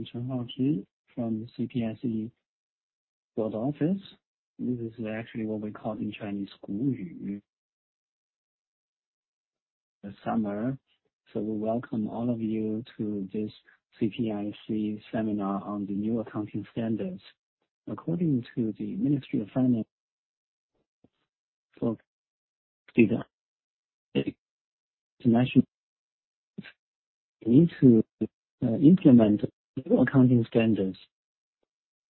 I'm Chen Hao Chu from the CPIC world office. This is actually what we call in Chinese. The summer. We welcome all of you to this CPIC seminar on the new accounting standards. According to the Ministry of Finance, for data, the national need to implement new accounting standards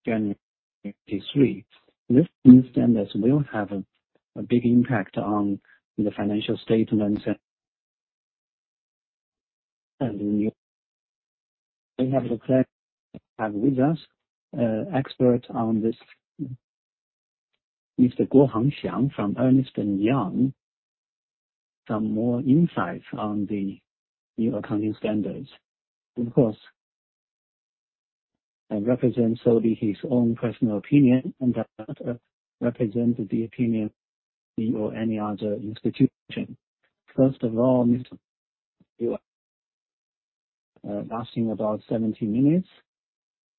January 23. These new standards will have a big impact on the financial statements. We have the pleasure to have with us a expert on this, Mr. Guo Hangxiang from Ernst & Young, some more insights on the new accounting standards. Of course, that represents only his own personal opinion and does not represent the opinion of the or any other institution. First of all, Mr. Guo. Lasting about 70 minutes,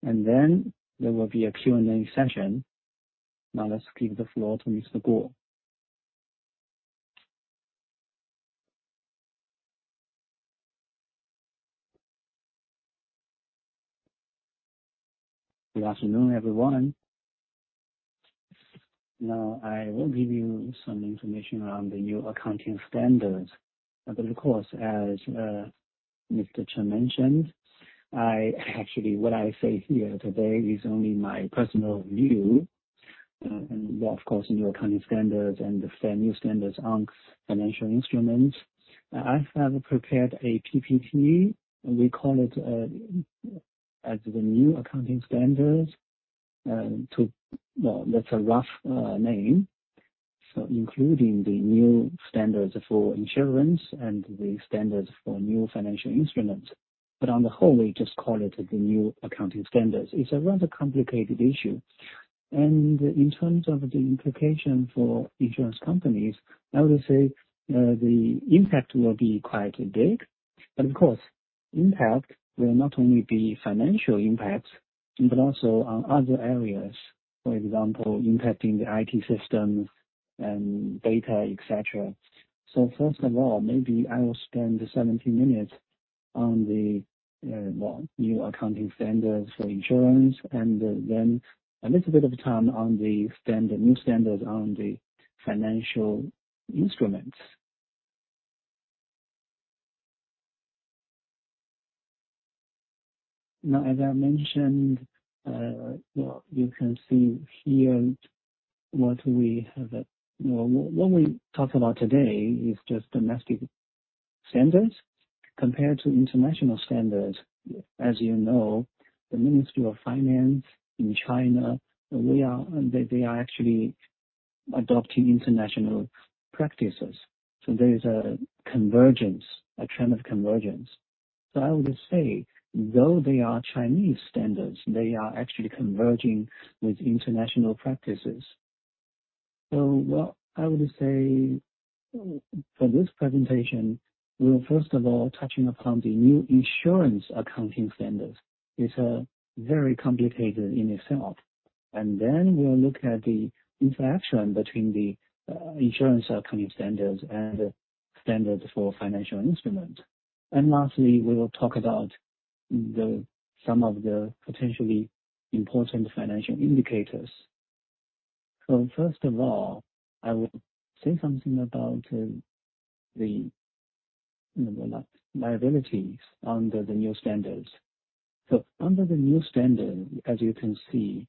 and then there will be a Q&A session. Let's give the floor to Mr. Guo. Good afternoon, everyone. I will give you some information on the new accounting standards. Of course as Mr. Chen mentioned, I actually what I say here today is only my personal view, of course, new accounting standards and the fair new standards on financial instruments. I have prepared a PPT, we call it as the New Accounting Standards to Well, that's a rough name, including the new standards for insurance and the standards for new financial instruments. On the whole, we just call it the new accounting standards. It's a rather complicated issue. In terms of the implication for insurance companies, I would say, the impact will be quite big, but of course, impact will not only be financial impacts, but also on other areas. For example, impacting the IT systems and data, et cetera. First of all, maybe I will spend the 70 minutes on the new accounting standards for insurance and then a little bit of time on the standard, new standards on the financial instruments. As I mentioned, you can see here what we have. What we talk about today is just domestic standards compared to international standards. As you know, the Ministry of Finance in China, we are, they are actually adopting international practices. There is a convergence, a trend of convergence. I would say, though they are Chinese standards, they are actually converging with international practices. What I would say for this presentation, we're first of all touching upon the new insurance accounting standards. It's very complicated in itself. Then we'll look at the interaction between the insurance accounting standards and standards for financial instruments. Lastly, we will talk about some of the potentially important financial indicators. First of all, I will say something about the liabilities under the new standards. Under the new standard, as you can see,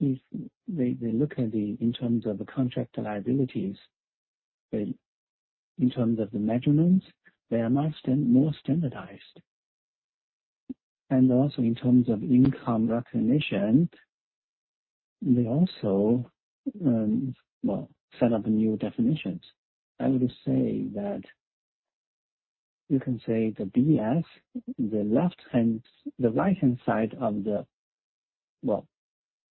if they look at the, in terms of contract liabilities, in terms of the measurements, they are much more standardized. Also in terms of income recognition, they also, well, set up new definitions. I would say that you can say the BS, the right-hand side of the, well,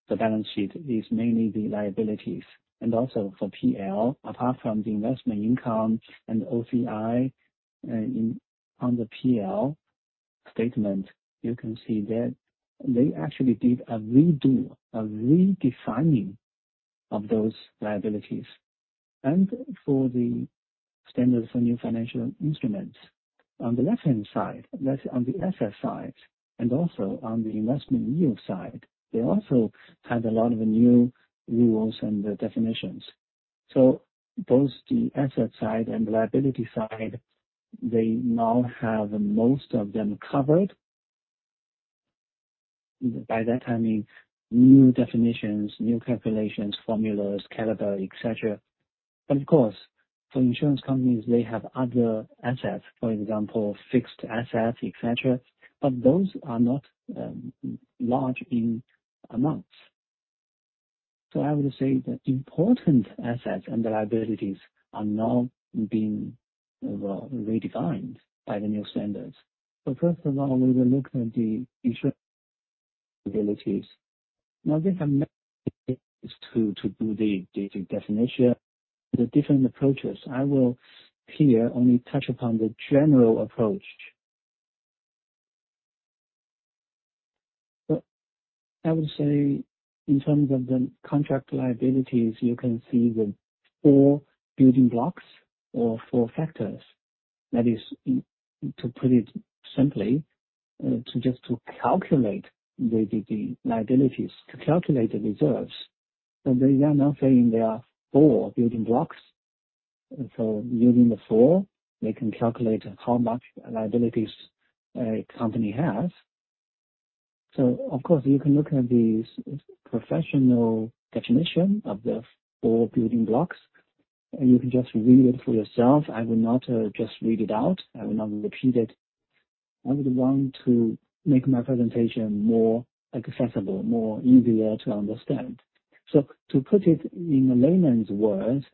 the balance sheet is mainly the liabilities and also for PL, apart from the investment income and OCI, on the PL statement, you can see that they actually did a redo, a redefining of those liabilities. For the standards for new financial instruments, on the left-hand side, that's on the asset side, and also on the investment yield side, they also had a lot of new rules and definitions. Both the asset side and liability side, they now have most of them covered. By that I mean new definitions, new calculations, formulas, calendar, et cetera. Of course, for insurance companies, they have other assets, for example, fixed assets, et cetera, but those are not large in amounts. I would say the important assets and liabilities are now being, well, redefined by the new standards. First of all, we will look at the Liabilities. Now they have to do the definition, the different approaches. I will here only touch upon the General Approach. I would say in terms of the contract liabilities, you can see the four building blocks or four factors. That is, to put it simply, to calculate the liabilities, to calculate the reserves. They are now saying there are four building blocks. Using the four, they can calculate how much liabilities a company has. Of course, you can look at these professional definition of the four building blocks, and you can just read it for yourself. I will not just read it out. I will not repeat it. I would want to make my presentation more accessible, more easier to understand. To put it in layman's words,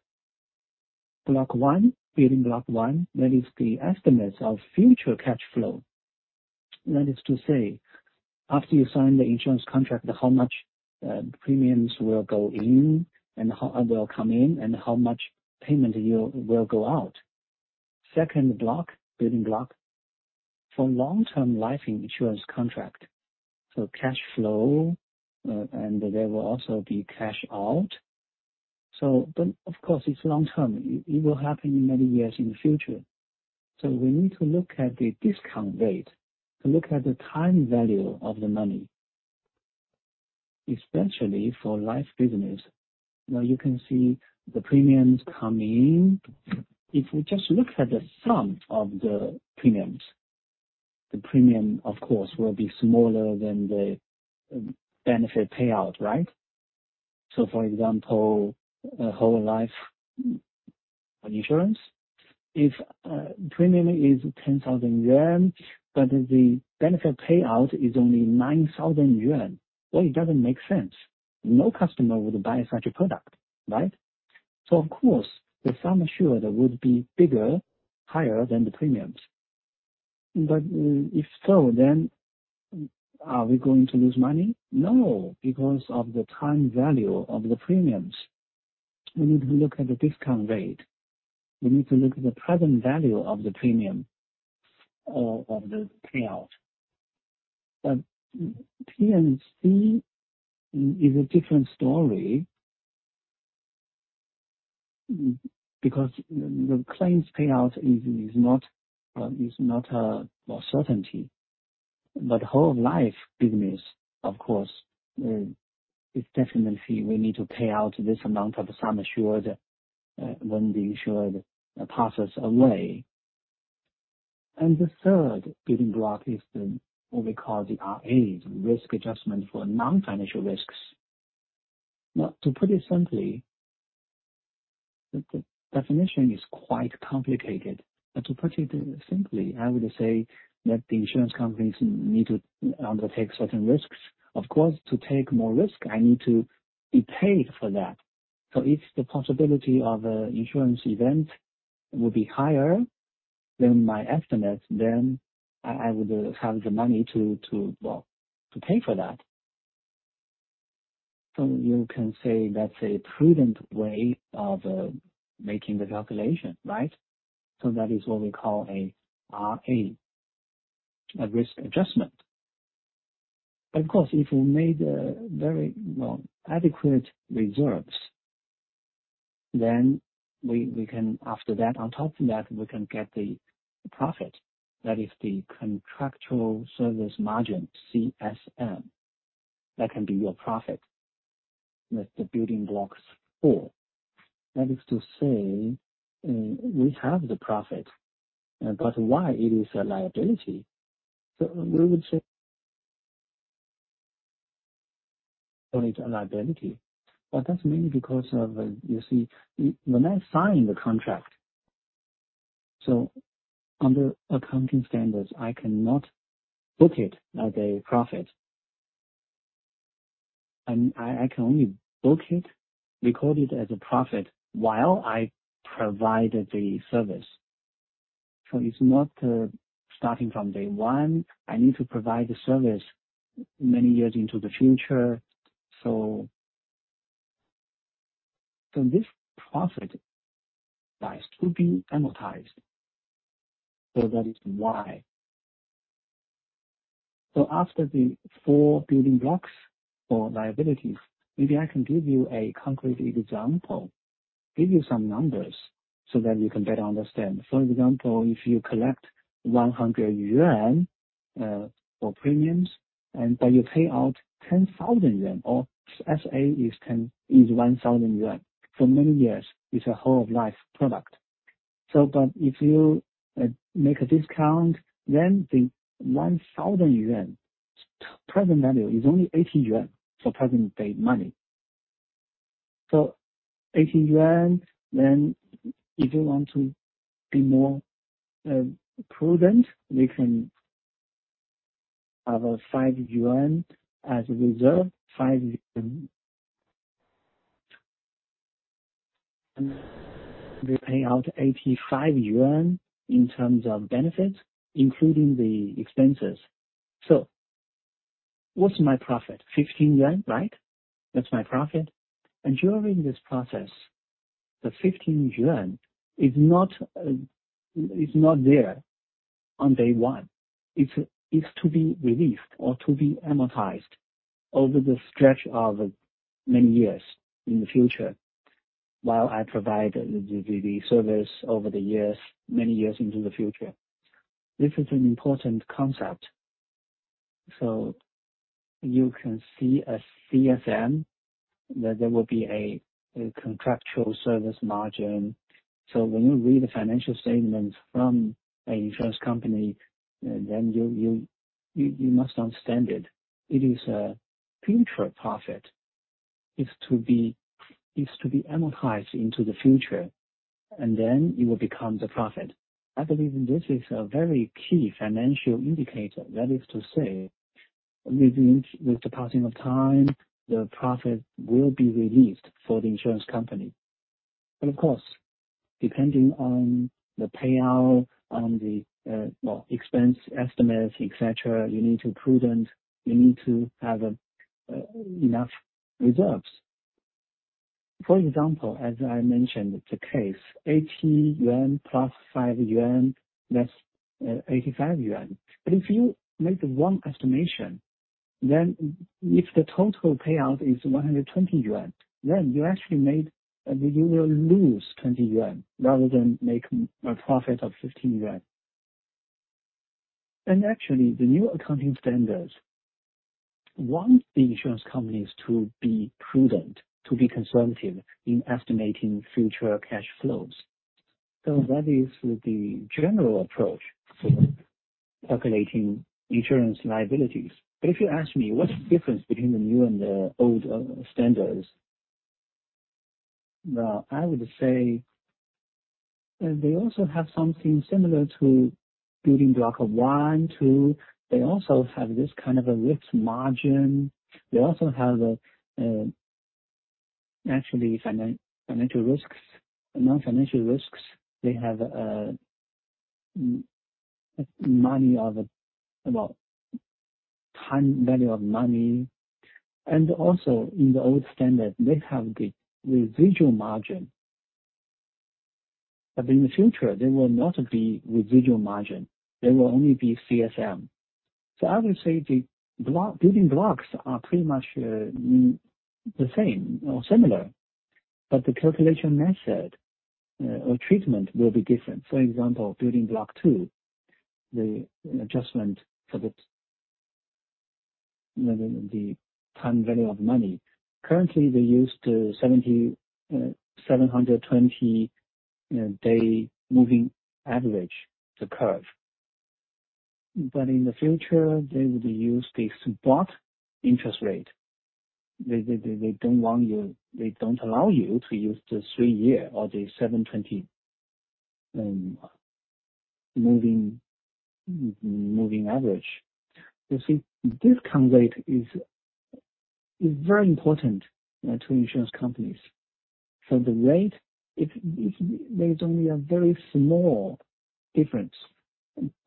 block one, building block one, that is the estimates of future cash flow. That is to say, after you sign the insurance contract, how much premiums will go in, and will come in, and how much payment you will go out. Second block, building block two. For long-term life insurance contract, cash flow, and there will also be cash out. Of course, it's long-term. It will happen in many years in the future. We need to look at the discount rate, to look at the time value of the money. Especially for life business, now you can see the premiums come in. If we just look at the sum of the premiums, the premium of course will be smaller than the benefit payout, right? For example, a whole life insurance, if premium is 10,000 yuan, but the benefit payout is only 9,000 yuan. Well, it doesn't make sense. No customer would buy such a product, right? Of course, the sum assured would be bigger, higher than the premiums. If so, are we going to lose money? No, because of the time value of the premiums. We need to look at the discount rate. We need to look at the present value of the premium, of the payout. P&C is a different story. Because the claims payout is not a certainty. Whole life business, of course, is definitely we need to pay out this amount of sum assured when the insured passes away. The third building block is the what we call the RA, risk adjustment for non-financial risks. Now to put it simply, the definition is quite complicated. To put it simply, I would say that the insurance companies need to undertake certain risks. Of course, to take more risk, I need to be paid for that. If the possibility of a insurance event will be higher than my estimate, then I would have the money to, well, to pay for that. You can say that's a prudent way of making the calculation, right? That is what we call a RA, a risk adjustment. Of course, if we made a very, well, adequate reserves, then we can after that, on top of that, we can get the profit. That is the contractual service margin, CSM. That can be your profit. That's the building blocks four. That is to say, we have the profit, but why it is a liability? We would call it a liability. That's mainly because of, you see, when I sign the contract. Under accounting standards, I cannot book it as a profit. I can only book it, record it as a profit while I provide the service. It's not, starting from day one. I need to provide the service many years into the future. This profit has to be amortized. That is why. After the four building blocks or liabilities, maybe I can give you a concrete example, give you some numbers, so that you can better understand. For example, if you collect 100 yuan for premiums, and then you pay out 10,000 yuan of SA is 1,000 yuan. For many years, it's a whole life product. But if you make a discount, then the 1,000 yuan present value is only 80 yuan for present day money. 80 yuan, then if you want to be more prudent, we can have a 5 as a reserve. They pay out 85 yuan in terms of benefits, including the expenses. What's my profit? RMB 15, right? That's my profit. During this process, the 15 yuan is not there on day one. It's to be released or to be amortized over the stretch of many years in the future while I provide the service over the years, many years into the future. This is an important concept. You can see a CSM, that there will be a contractual service margin. When you read the financial statements from a insurance company, then you must understand it. It is a future profit. It's to be amortized into the future, it will become the profit. I believe this is a very key financial indicator. That is to say, with the passing of time, the profit will be released for the insurance company. Of course, depending on the payout, on the well, expense estimates, etc., you need to prudent, you need to have enough reserves. For example, as I mentioned the case, 80 yuan + 5 yuan, that's 85 yuan. If you make one estimation, then if the total payout is 120 yuan, then You will lose 20 yuan rather than make a profit of 15 yuan. Actually, the new accounting standards want the insurance companies to be prudent, to be conservative in estimating future cash flows. That is the general approach for calculating insurance liabilities. If you ask me what's the difference between the new and the old standards, well, I would say, they also have something similar to building block of one, two. They also have this kind of a risk margin. They also have actually financial risks. Non-financial risks. They have time value of money. Also in the old standard, they have the residual margin. In the future, there will not be residual margin. There will only be CSM. I would say the building blocks are pretty much the same or similar, but the calculation method or treatment will be different. Building block two, the adjustment for the time value of money. Currently, they use the 750-day moving average to curve. In the future, they will use the spot rate. They don't allow you to use the three-year or the 720 moving average. You see, discount rate is very important to insurance companies. The rate, if there is only a very small difference,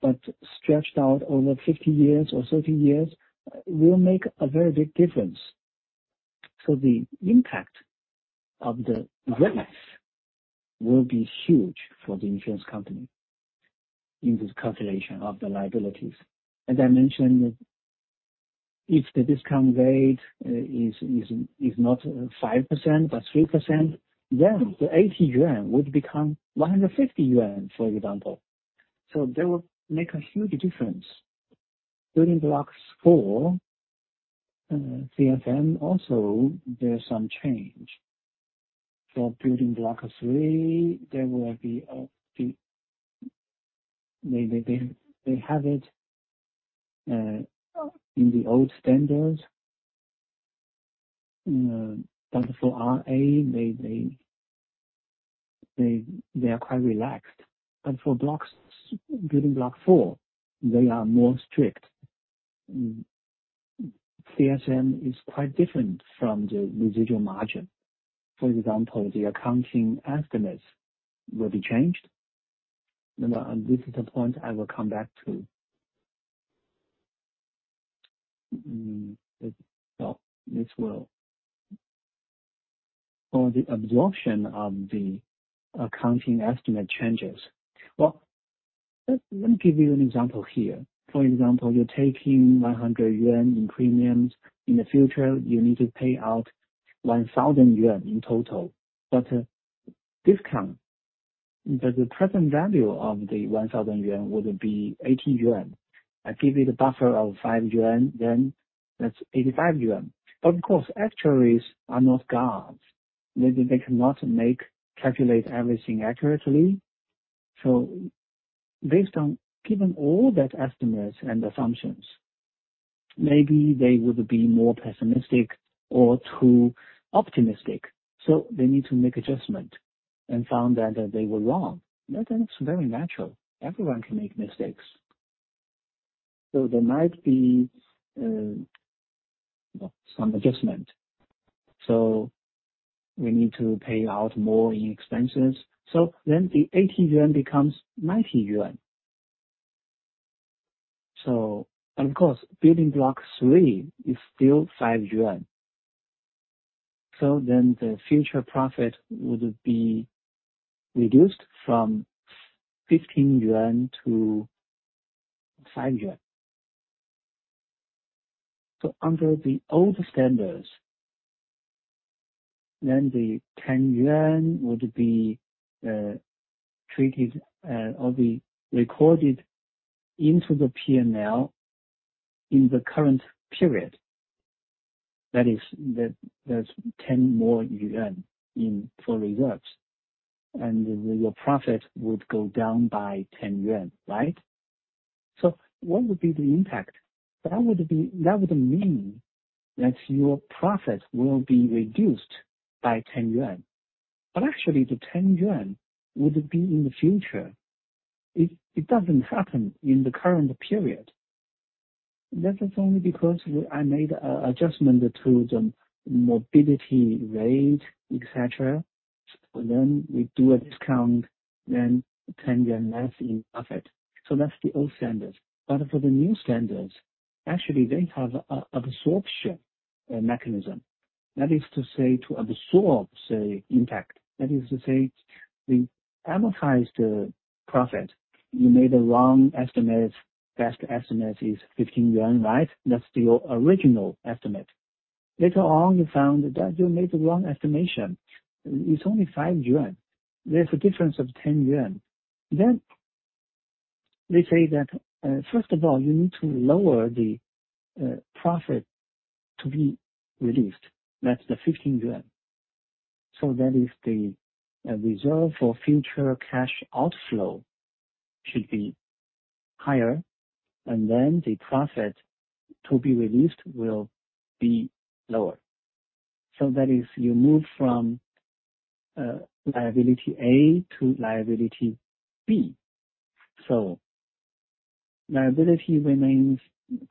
but stretched out over 50 years or 30 years, will make a very big difference. The impact of the risk will be huge for the insurance company in this calculation of the liabilities. If the discount rate is not 5%, but 3%, then the 80 yuan would become 150 yuan, for example. They will make a huge difference. building block four, CSM also, there's some change. For building block three, there will be the... They have it in the old standards, but for RA they are quite relaxed. For blocks, building block four, they are more strict. CSM is quite different from the residual margin. For example, the accounting estimates will be changed. Well, this is a point I will come back to. Well, this will... For the absorption of the accounting estimate changes. Well, let me give you an example here. For example, you're taking 100 yuan in premiums. In the future, you need to pay out 1,000 yuan in total. Discount, the present value of the 1,000 yuan would be 80 yuan. I give you the buffer of 5 yuan, then that's 85 yuan. Of course, actuaries are not gods. They cannot make, calculate everything accurately. Based on, given all that estimates and assumptions, maybe they would be more pessimistic or too optimistic, so they need to make adjustment and found out that they were wrong. That's very natural. Everyone can make mistakes. There might be some adjustment. We need to pay out more in expenses. The 80 yuan becomes 90 yuan. Of course, building block three is still 5 yuan. The future profit would be reduced from 15 yuan to 5 yuan. Under the old standards, then the 10 yuan would be treated or be recorded into the P&L in the current period. That is, there's 10 yuan more in for reserves. Your profit would go down by 10 yuan, right? What would be the impact? That would mean that your profit will be reduced by 10 yuan. Actually, the 10 yuan would be in the future. It doesn't happen in the current period. That is only because I made a adjustment to the morbidity rate, et cetera. We do a discount, then RMB 10 less in profit. That's the old standards. For the new standards, actually they have a absorption mechanism. That is to say, to absorb impact, that is to say, we amortize the profit. You made a wrong estimate. Best estimate is 15 yuan, right? That's your original estimate. Later on, you found that you made the wrong estimation. It's only 5 yuan. There's a difference of 10 yuan. They say that, first of all, you need to lower the profit to be released. That's the 15 yuan. That is the reserve for future cash outflow should be higher, and the profit to be released will be lower. That is you move from liability A to liability B. Liability remains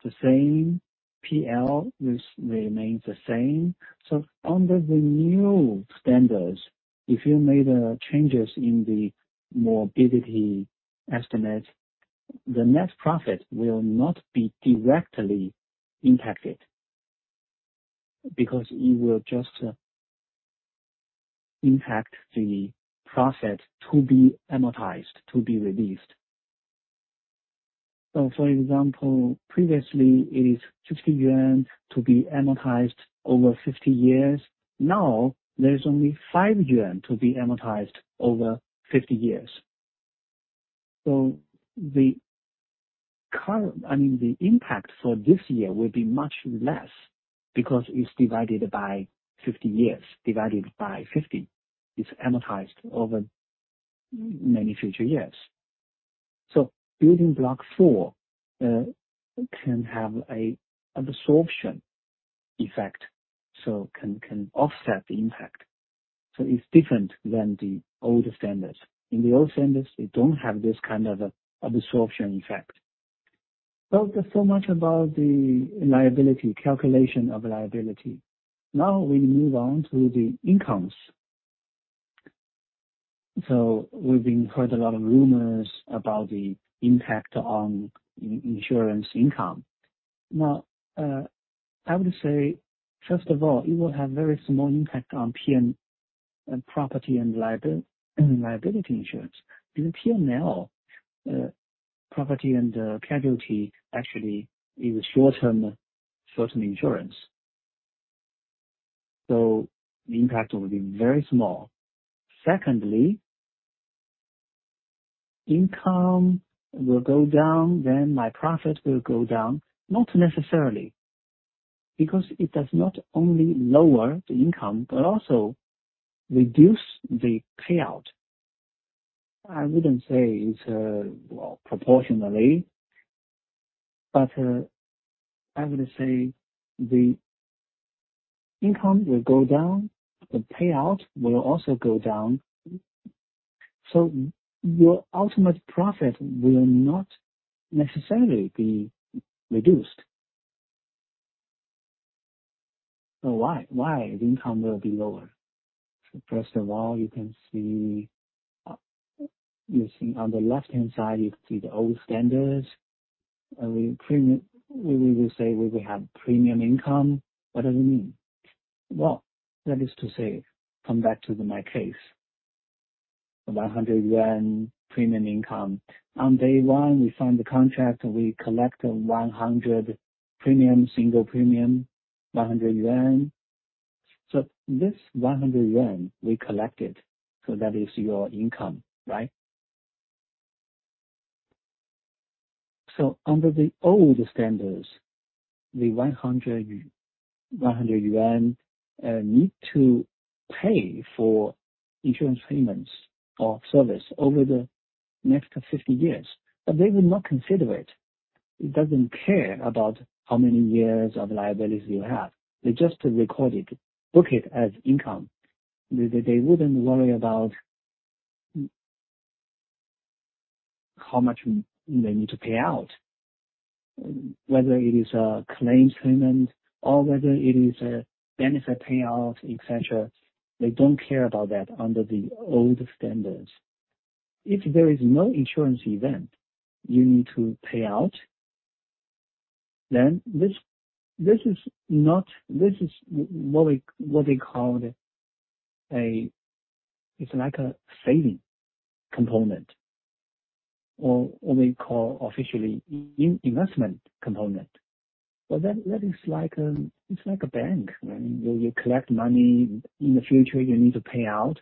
the same. P&L remains the same. Under the new standards, if you made changes in the morbidity estimate, the net profit will not be directly impacted because it will just impact the profit to be amortized, to be released. For example, previously it is 50 yuan to be amortized over 50 years. Now there is only 5 yuan to be amortized over 50 years. The current... I mean, the impact for this year will be much less because it's divided by 50 years, divided by 50. It's amortized over many future years. Building block four can have an absorption effect, can offset the impact. It's different than the old standards. In the old standards, they don't have this kind of absorption effect. That's so much about the liability, calculation of liability. We move on to the incomes. We've heard a lot of rumors about the impact on insurance income. I would say, first of all, it will have very small impact on P&C, property and liability insurance. In P&C, property and casualty actually is short-term insurance. The impact will be very small. Secondly, income will go down, my profit will go down. Not necessarily, because it does not only lower the income, but also reduce the payout. I wouldn't say it's, well, proportionally, but I'm gonna say the income will go down, the payout will also go down. Your ultimate profit will not necessarily be reduced. Why? Why the income will be lower? First of all, you see on the left-hand side, you could see the old standards. We will say we will have premium income. What does it mean? Well, that is to say, come back to the my case, the 100 yuan premium income. On day one, we signed the contract, we collect 100 premium, single premium, 100 yuan. This 100 yuan we collected, that is your income, right? Under the old standards, the 100 yuan need to pay for insurance payments or service over the next 50 years. They will not consider it. It doesn't care about how many years of liabilities you have. They just record it, book it as income. They wouldn't worry about how much they need to pay out, whether it is a claims payment or whether it is a benefit payout, et cetera. They don't care about that under the old standards. If there is no insurance event you need to pay out, then this is not... this is what we, what they called a, it's like a saving component or what we call officially investment component. That, that is like, it's like a bank. I mean, you collect money. In the future, you need to pay out.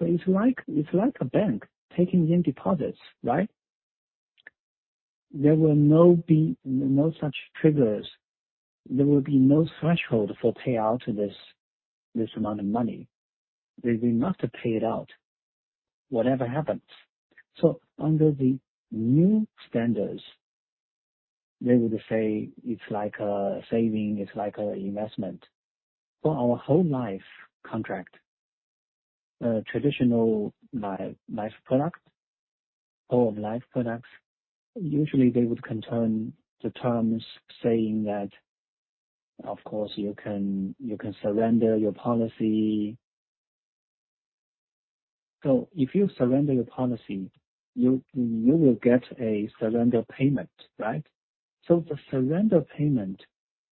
It's like a bank taking in deposits, right? There will no be no such triggers. There will be no threshold for payout to this amount of money. They will not pay it out whatever happens. Under the new standards, they would say it's like a saving, it's like a investment. For our whole life contract, traditional life product, whole life products, usually they would contain the terms saying that, of course, you can surrender your policy. If you surrender your policy, you will get a surrender payment, right? The surrender payment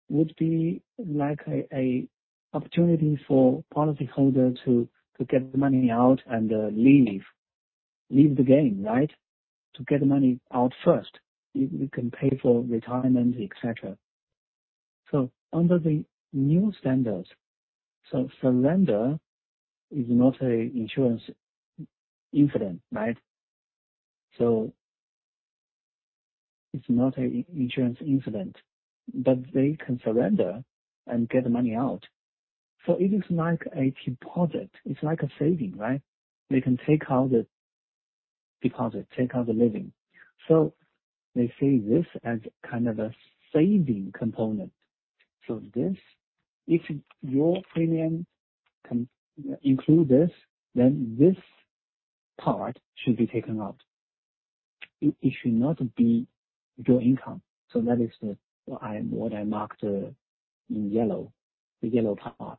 would be like a opportunity for policyholder to get money out and leave the game, right? To get the money out first. You can pay for retirement, et cetera. Under the new standards, surrender is not a insurance incident, right? It's not a insurance incident, but they can surrender and get the money out. It is like a deposit. It's like a saving, right? They can take out the deposit, take out the living. They see this as kind of a saving component. This, if your premium can include this, then this part should be taken out. It should not be your income. That is the what I marked in yellow, the yellow part.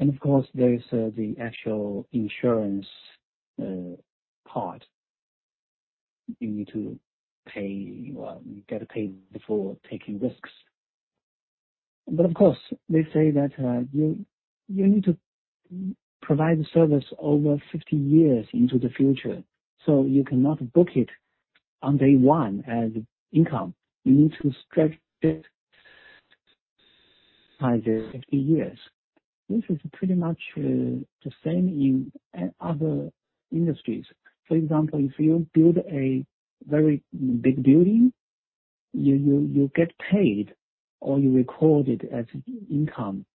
Of course, there is the actual insurance part. You need to pay, well, you get paid before taking risks. Of course, they say that you need to provide the service over 50 years into the future, so you cannot book it on day one as income. You need to stretch it by the 50 years. This is pretty much the same in other industries. For example, if you build a very big building, you get paid or you record it as income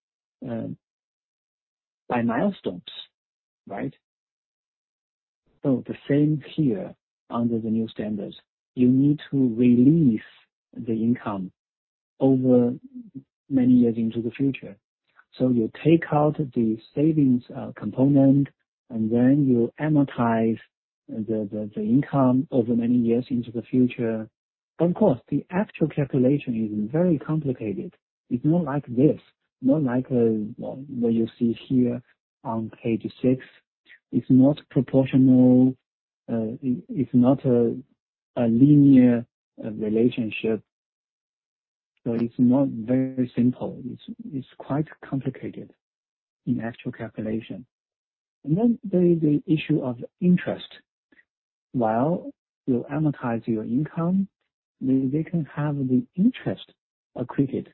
by milestones, right? The same here under the new standards. You need to release the income over many years into the future. You take out the savings component, and then you amortize the income over many years into the future. Of course, the actual calculation is very complicated. It's not like this. Not like what you see here on page six. It's not proportional. It's not a linear relationship. It's not very simple. It's quite complicated in actual calculation. Then there is the issue of interest. While you amortize your income, they can have the interest accreted.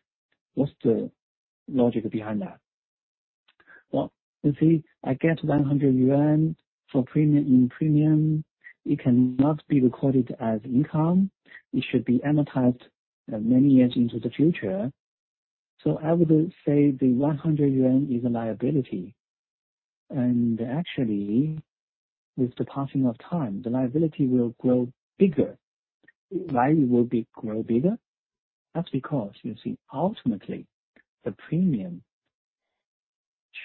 What's the logic behind that? You see, I get 100 yuan in premium. It cannot be recorded as income. It should be amortized many years into the future. I would say the 100 yuan is a liability. Actually, with the passing of time, the liability will grow bigger. Why it will be grow bigger? That's because, you see, ultimately the premium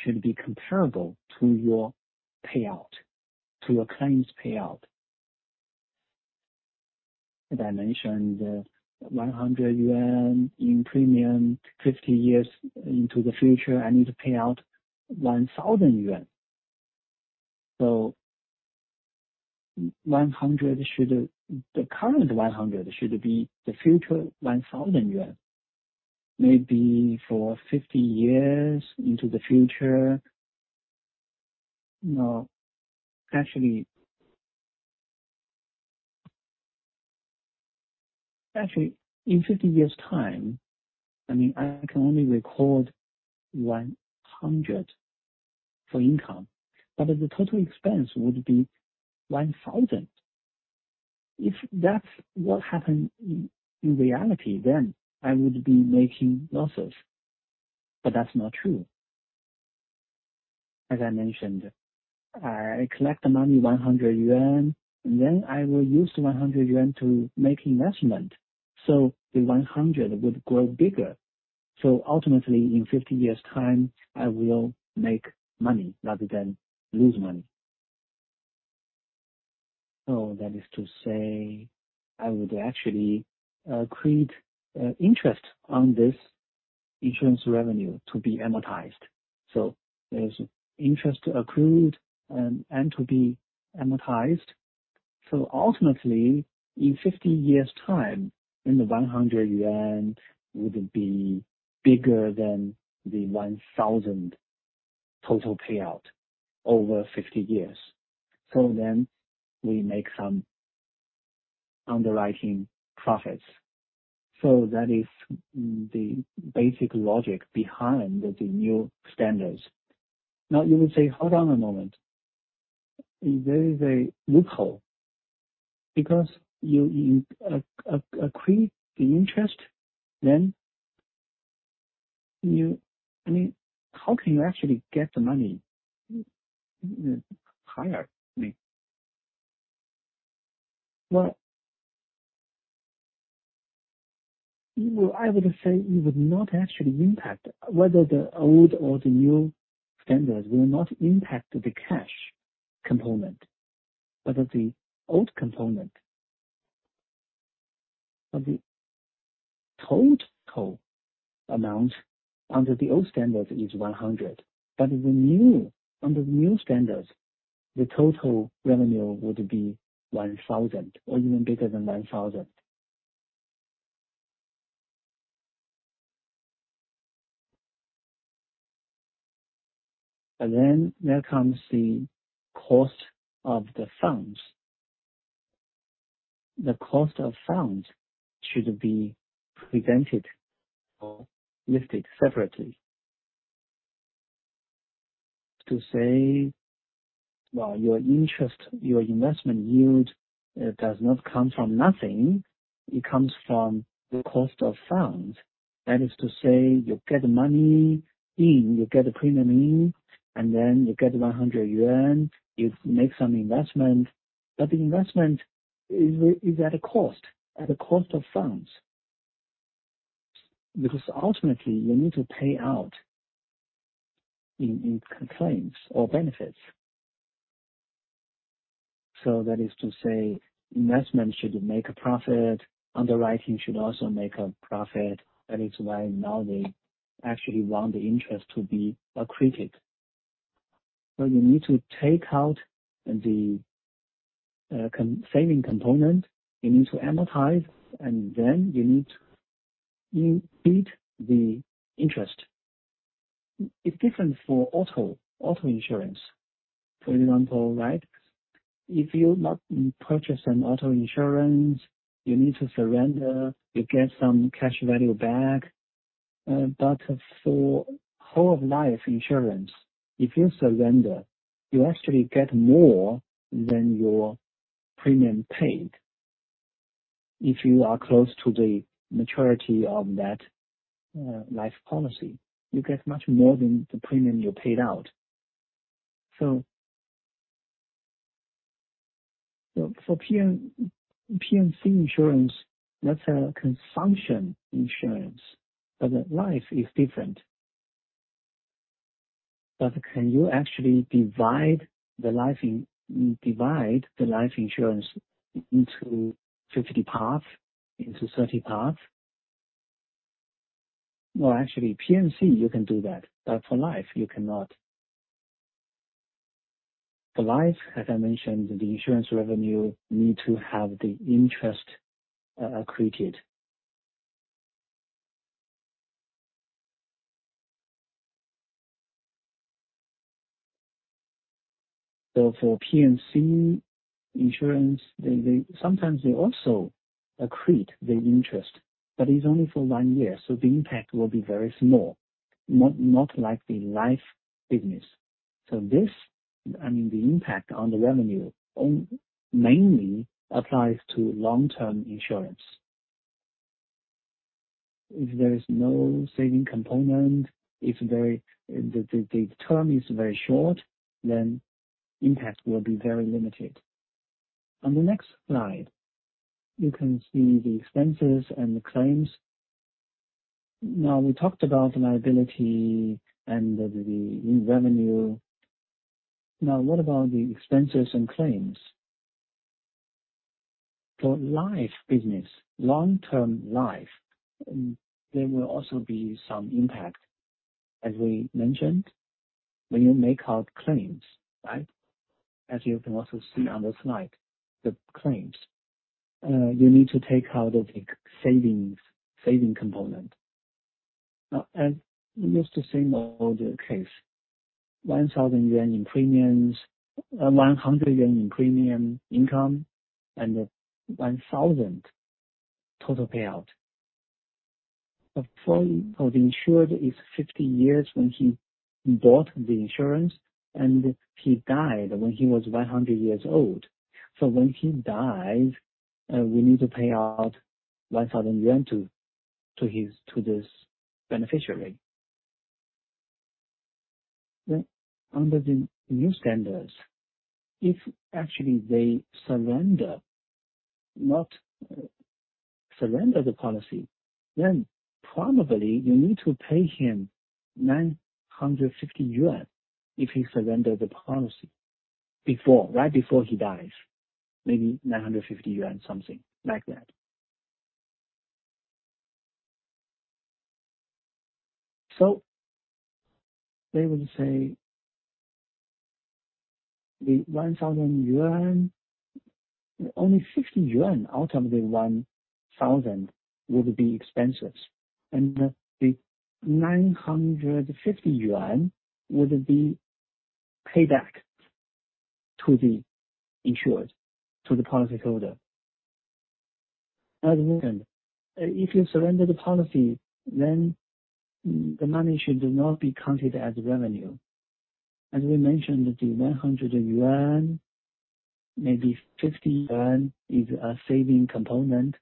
should be comparable to your payout, to your claims payout. As I mentioned, 100 yuan in premium, 50 years into the future, I need to pay out 1,000 yuan. The current 100 should be the future 1,000 yuan, maybe for 50 years into the future. Actually, in 50 years' time, I mean, I can only record 100 for income, but the total expense would be 1,000. If that's what happen in reality, then I would be making losses, but that's not true. As I mentioned, I collect the money 100 yuan, and then I will use the 100 yuan to make investment. The 100 would grow bigger. Ultimately in 50 years' time, I will make money rather than lose money. That is to say I would actually create interest on this insurance revenue to be amortized. There's interest accrued and to be amortized. Ultimately in 50 years' time, then the 100 yuan would be bigger than the 1,000 total payout over 50 years. We make some underwriting profits. That is the basic logic behind the new standards. Now, you would say, "Hold on a moment. There is a loophole." Because you accrete the interest, then you, I mean, how can you actually get the money? hire me. Well, you know, I would say it would not actually impact whether the old or the new standards will not impact the cash component. The old component of the total amount under the old standards is 100, but the new, under the new standards, the total revenue would be 1,000 or even bigger than RMB 1,000. There comes the cost of funds. The cost of funds should be presented or listed separately. To say, well, your interest, your investment yield, it does not come from nothing, it comes from the cost of funds. That is to say, you get money in, you get a premium in, and then you get 100 yuan. You make some investment, but the investment is at a cost, at a cost of funds. Ultimately you need to pay out in claims or benefits. That is to say investment should make a profit. Underwriting should also make a profit. That is why now they actually want the interest to be accreted. You need to take out the saving component, you need to amortize, and then you need to input the interest. It's different for auto insurance, for example, right? If you not purchase an auto insurance, you need to surrender, you get some cash value back. For whole life insurance, if you surrender, you actually get more than your premium paid. If you are close to the maturity of that life policy, you get much more than the premium you paid out. For P&C insurance, that's a consumption insurance, but life is different. Can you actually divide the life insurance into 50 parts, into 30 parts? Actually P&C you can do that, for life you cannot. For life, as I mentioned, the insurance revenue need to have the interest accreted. For P&C insurance, they sometimes they also accrete the interest, it's only for one year, the impact will be very small, not like the life business. This, I mean, the impact on the revenue mainly applies to long-term insurance. If there is no saving component, if the term is very short, impact will be very limited. On the next slide, you can see the expenses and the claims. We talked about the liability and the revenue. What about the expenses and claims? For life business, long-term life, there will also be some impact. As we mentioned, when you make out claims, right? As you can also see on the slide, the claims, you need to take out the savings, saving component. Let's just say about the case, 1,000 yuan in premiums, 100 yuan in premium income and 1,000 total payout. For the insured is 50 years when he bought the insurance and he died when he was 100 years old. When he dies, we need to pay out 1,000 yuan to his, to this beneficiary. Under the new standards, if actually they surrender, not surrender the policy, probably you need to pay him 950 yuan if he surrendered the policy before, right before he dies, maybe 950 yuan, something like that. They would say the 1,000 yuan, only 50 yuan out of the 1,000 would be expenses, and the 950 yuan would be paid back to the insured, to the policyholder. At the moment, if you surrender the policy, then the money should not be counted as revenue. As we mentioned, the 100 yuan, maybe 50 yuan is a saving component.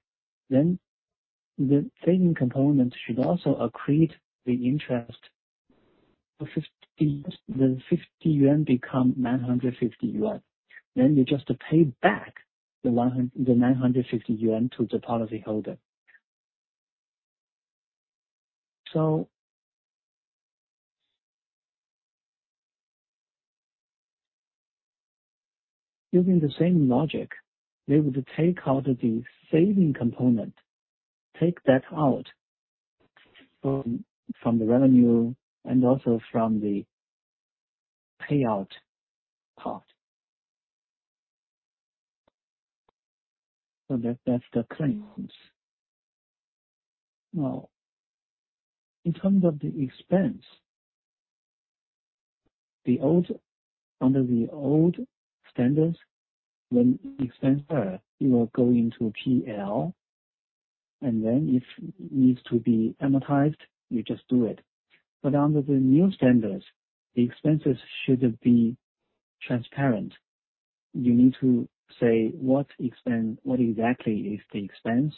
The saving component should also accrete the interest. The 50 yuan become 950 yuan. You just pay back the 950 yuan to the policyholder. Using the same logic, they would take out the saving component, take that out from the revenue and also from the payout part. That's the claims. In terms of the expense, under the old standards, when expense are, it will go into P&L, if needs to be amortized, you just do it. Under the new standards, the expenses should be transparent. You need to say what expense, what exactly is the expense.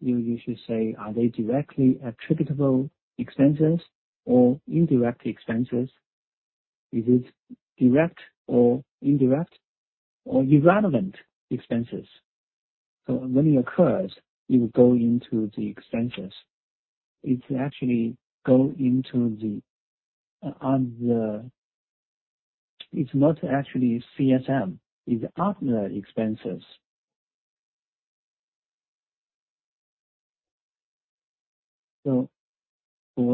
You should say, are they directly attributable expenses or indirect expenses? Is it direct or indirect or irrelevant expenses? When it occurs, it will go into the expenses. It actually go into the. It's not actually CSM, it's other expenses. For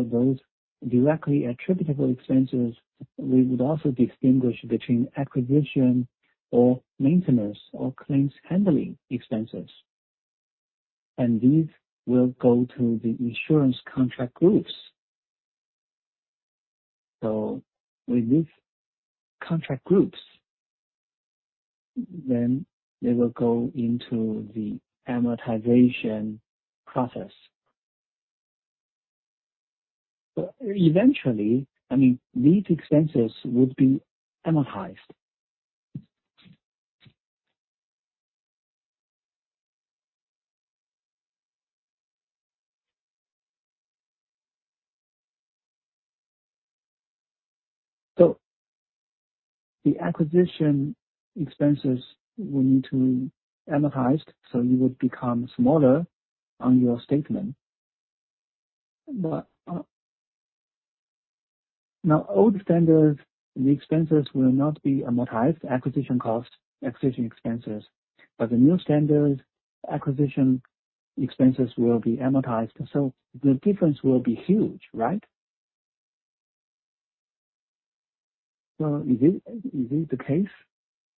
those directly attributable expenses, we would also distinguish between acquisition or maintenance or claims handling expenses. These will go to the insurance contract groups. With these contract groups, they will go into the amortization process. Eventually, I mean, these expenses would be amortized. The acquisition expenses will need to amortized, so it would become smaller on your statement. Now, old standards, the expenses will not be amortized, acquisition cost, acquisition expenses. The new standards, acquisition expenses will be amortized. The difference will be huge, right? Is it the case?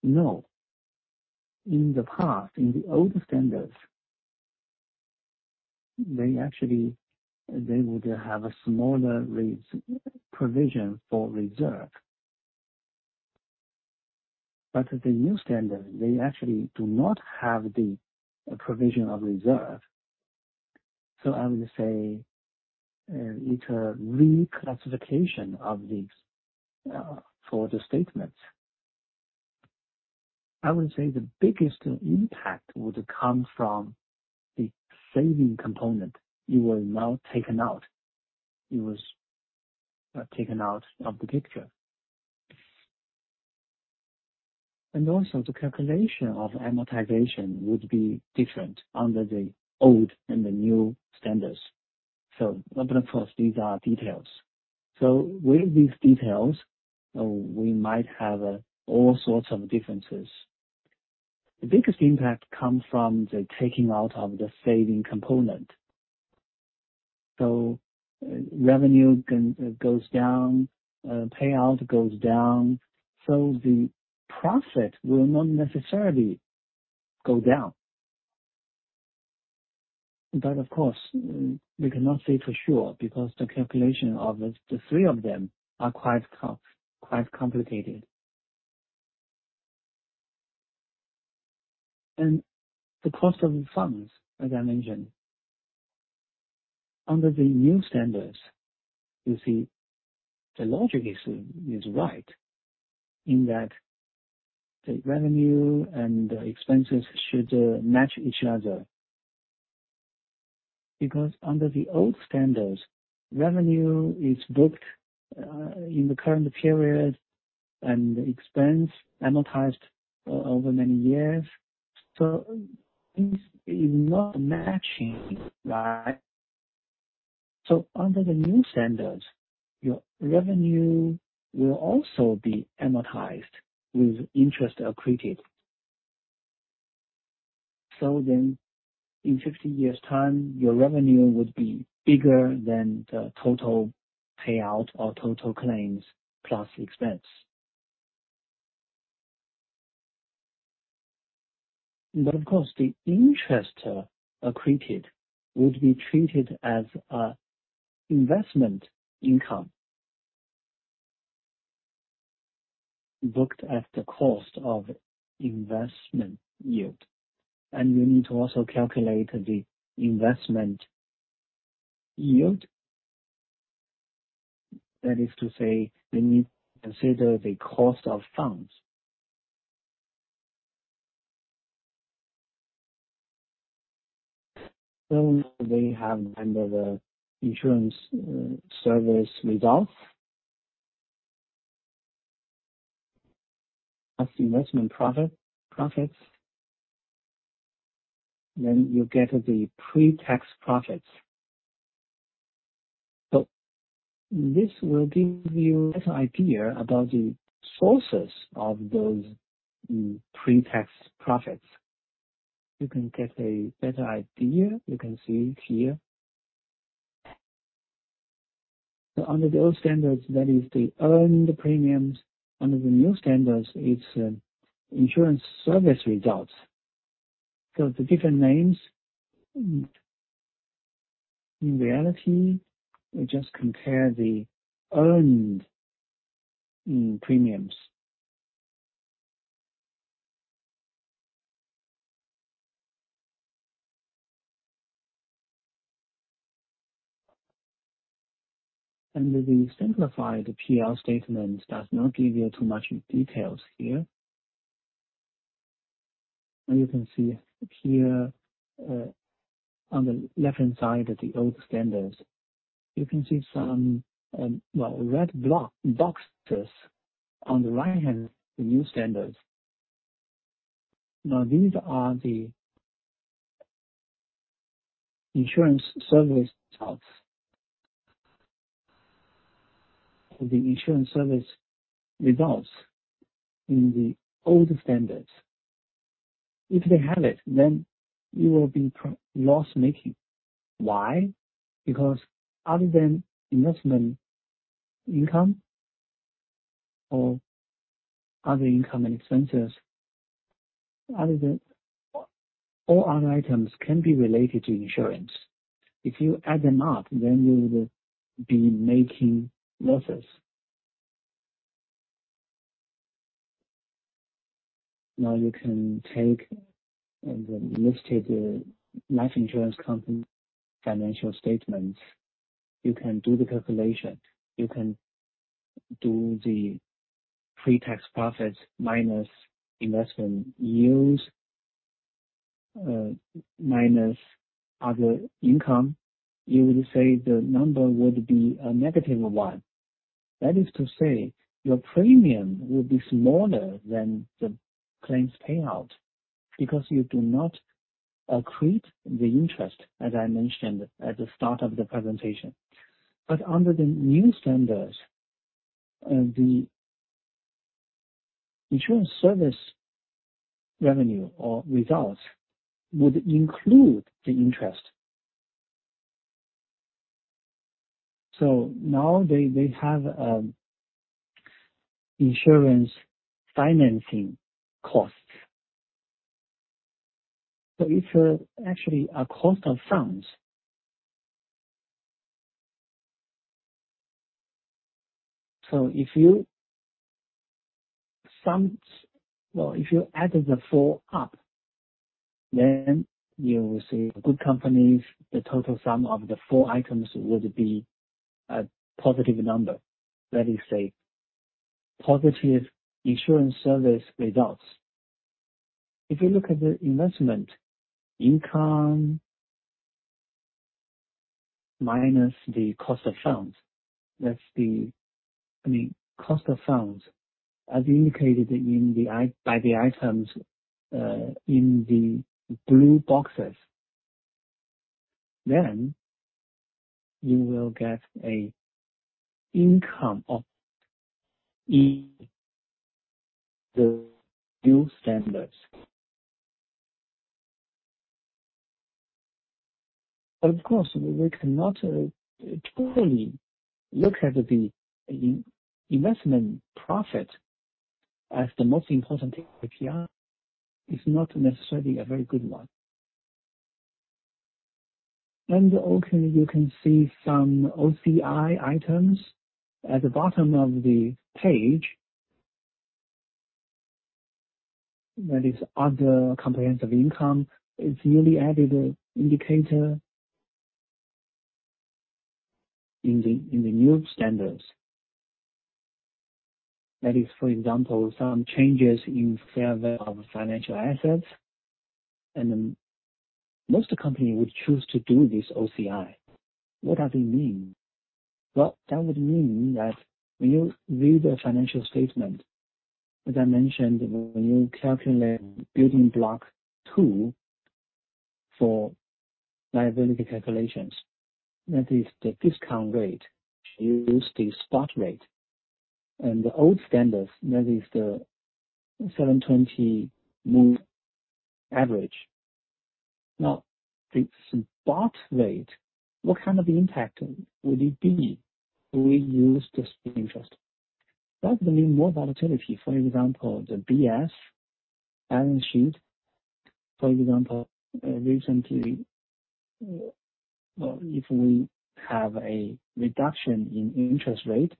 No. In the past, in the old standards, they actually, they would have a smaller provision for reserve. The new standard, they actually do not have the provision of reserve. I would say, it's a reclassification of these for the statements. I would say the biggest impact would come from the saving component. It was now taken out. It was taken out of the picture. Also the calculation of amortization would be different under the old and the new standards. Of course these are details. With these details, we might have all sorts of differences. The biggest impact come from the taking out of the saving component. Revenue can goes down, payout goes down, so the profit will not necessarily go down. Of course, we cannot say for sure because the calculation of the three of them are quite complicated. The cost of funds, as I mentioned, under the new standards, you see the logic is right in that the revenue and the expenses should match each other. Because under the old standards, revenue is booked in the current period, and expense amortized over many years. It is not matching, right? Under the new standards, your revenue will also be amortized with interest accreted. In 50 years' time, your revenue would be bigger than the total payout or total claims plus expense. The interest accreted would be treated as a investment income, booked at the cost of investment yield. You need to also calculate the investment yield. That is to say, you need to consider the cost of funds. They have under the insurance service results. As investment profits, then you get the pre-tax profits. This will give you better idea about the sources of those pre-tax profits. You can get a better idea, you can see here. Under the old standards, that is the earned premiums. Under the new standards, it's insurance service results. The different names, in reality, they just compare the earned premiums. Under the simplified P&L statement, it does not give you too much details here. You can see here, on the left-hand side are the old standards. You can see some, well, red block boxes on the right-hand, the new standards. These are the insurance service results. The insurance service results in the old standards. If they have it, then you will be loss-making. Why? Because other than investment income or other income and expenses, All other items can be related to insurance. If you add them up, then you would be making losses. You can take listed life insurance company financial statements. You can do the calculation. You can do the pre-tax profits minus investment yields, minus other income. You would say the number would be a negative of one. That is to say, your premium would be smaller than the claims payout because you do not accrete the interest, as I mentioned at the start of the presentation. Under the new standards, the Insurance Service Revenue or Results would include the interest. Now they have insurance financing costs. It's actually a cost of funds. Well, if you add the four up, you will see good companies, the total sum of the four items would be a positive number. That is a positive Insurance Service Results. If you look at the investment income minus the cost of funds, that's the I mean, cost of funds, as indicated in by the items in the blue boxes, you will get a income of the new standards. Of course, we cannot truly look at the in-investment profit as the most important thing with PAR insurance. It's not necessarily a very good one. Okay, you can see some OCI items at the bottom of the page. That is other comprehensive income. It's a newly added indicator in the new standards. That is, for example, some changes in fair value of financial assets. Most companies would choose to do this OCI. What does it mean? Well, that would mean that when you read the financial statement, as I mentioned, when you calculate building block two for liability calculations, that is the discount rate, you use the spot rate. The old standards, that is the 750-day moving average. Now, the spot rate, what kind of impact would it be if we use this interest? That will mean more volatility. For example, the BS balance sheet, for example, recently, if we have a reduction in interest rate,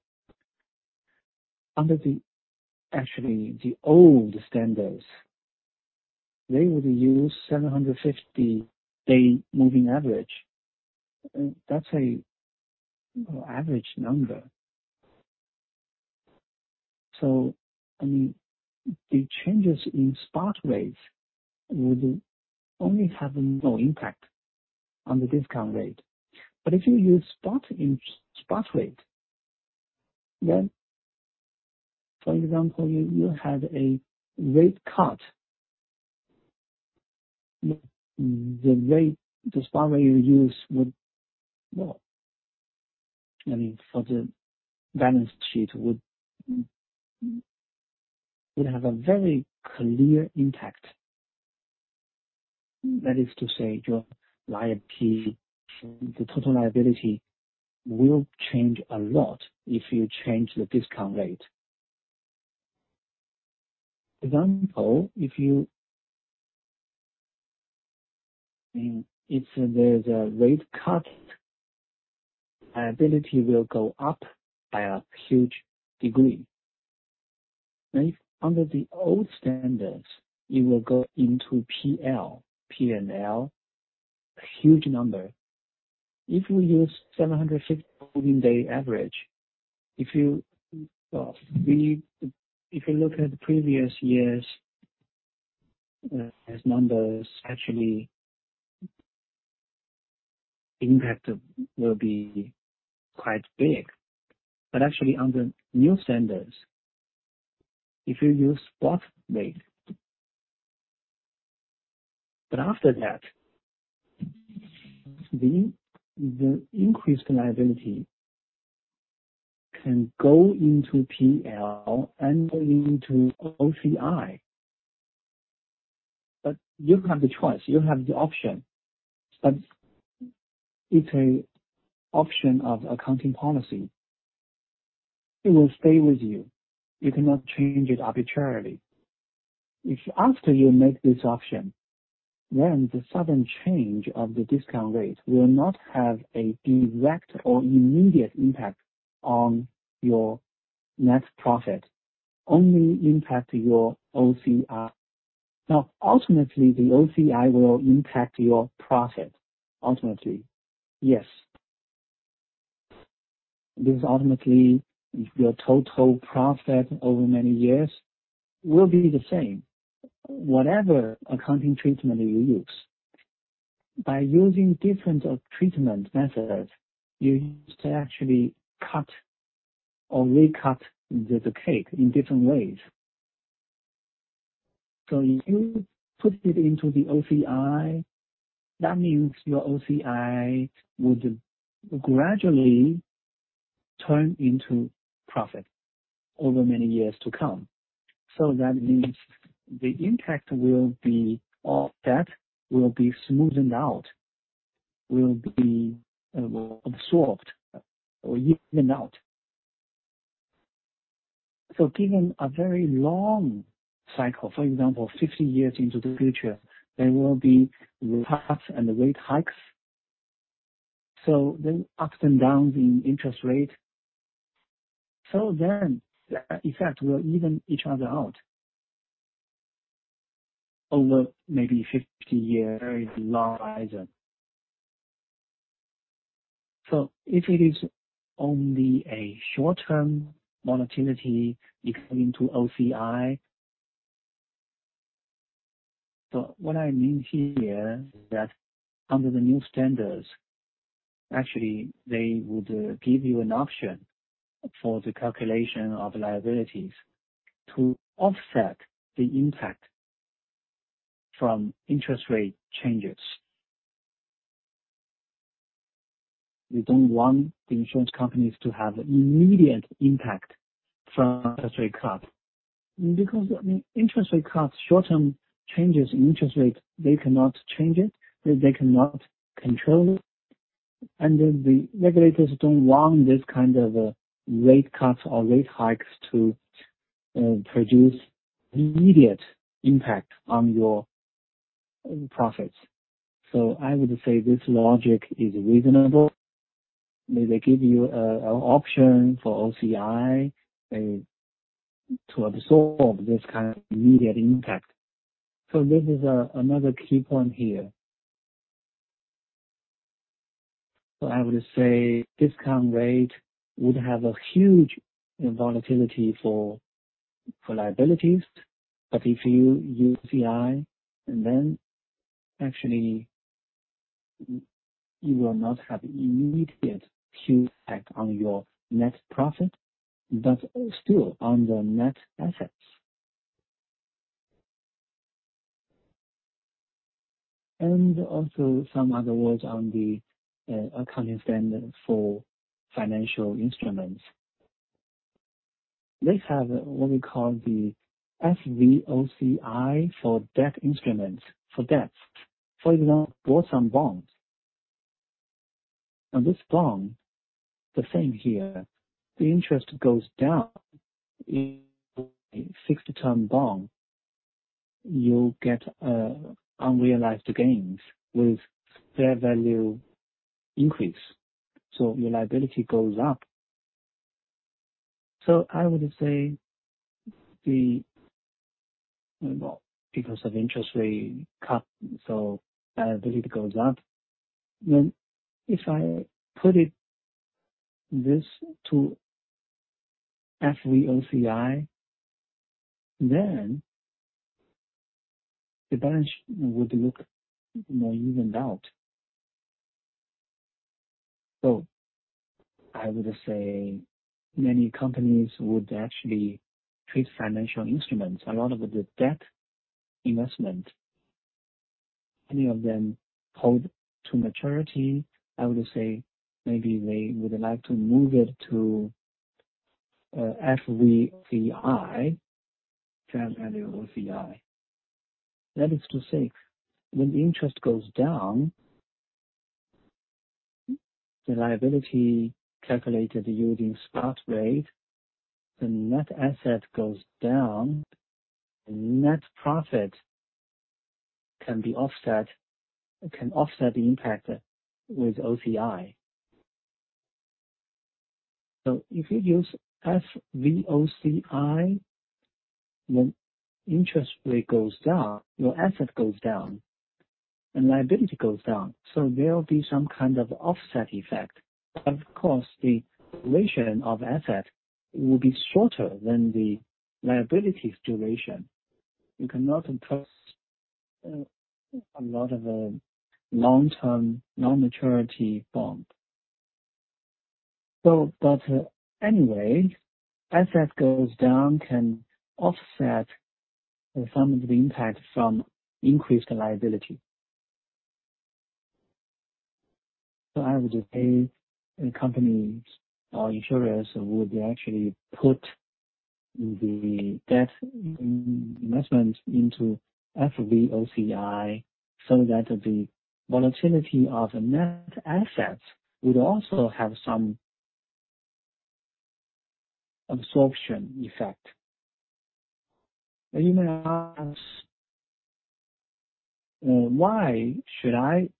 actually the old standards, they would use 750-day moving average. That's a average number. I mean, the changes in spot rates would only have no impact on the discount rate. If you use spot rate, then for example, you had a rate cut. The spot rate you use would, well, I mean, for the balance sheet would have a very clear impact. That is to say the total liability will change a lot if you change the discount rate. Example, I mean, if there's a rate cut, liability will go up by a huge degree. If under the old standards, it will go into P&L, a huge number. If we use 750-day moving average, if you, if you look at the previous years' numbers, actually, impact will be quite big. Actually under new standards if you use spot rate. After that, the increased liability can go into PL and into OCI. You have the choice, you have the option, but it's a option of accounting policy. It will stay with you. You cannot change it arbitrarily. If after you make this option, then the sudden change of the discount rate will not have a direct or immediate impact on your net profit, only impact your OCI. Ultimately, the OCI will impact your profit. Ultimately, yes. This ultimately, your total profit over many years will be the same, whatever accounting treatment you use. By using different treatment methods, you used to actually cut or re-cut the cake in different ways. If you put it into the OCI, that means your OCI would gradually turn into profit over many years to come. That means the impact will be, or that will be smoothened out, will be absorbed or even out. Given a very long cycle, for example, 50 years into the future, there will be rate cuts and rate hikes. Ups and downs in interest rate. The effect will even each other out over maybe 50 years, a very long horizon. If it is only a short-term volatility, it come into OCI. What I mean here is that under the new standards, actually, they would give you an option for the calculation of liabilities to offset the impact from interest rate changes. We don't want the insurance companies to have immediate impact from interest rate cut. Because, I mean, interest rate cuts, short-term changes in interest rates, they cannot change it. They cannot control it. The regulators don't want this kind of rate cuts or rate hikes to produce immediate impact on your profits. I would say this logic is reasonable. They give you a option for OCI to absorb this kind of immediate impact. This is another key point here. I would say discount rate would have a huge volatility for liabilities. If you use VI, actually, you will not have immediate huge effect on your net profit, but still on the net assets. Also some other words on the accounting standard for financial instruments. Let's have what we call the FVOCI for debt instruments, for debts. For example, bought some bonds. This bond, the same here, the interest goes down. In a fixed-term bond, you'll get unrealized gains with fair value increase, so your liability goes up. Well, because of interest rate cut, so liability goes up. If I put it this to FVOCI, then the balance would look more evened out. I would say many companies would actually treat financial instruments, a lot of the debt investment, many of them hold-to-maturity. I would say maybe they would like to move it to FVOCI, fair value OCI. That is to say, when the interest goes down, the liability calculated using spot rate, the net asset goes down, the net profit can offset the impact with OCI. If you use FVOCI, when interest rate goes down, your asset goes down, and liability goes down, there will be some kind of offset effect. Of course, the duration of asset will be shorter than the liability's duration. You cannot invest a lot of long-term, long-maturity bond. Anyway, asset goes down can offset some of the impact from increased liability. I would say companies or insurers would actually put the debt investments into FVOCI so that the volatility of the net assets would also have some absorption effect. You may ask, why shouldn't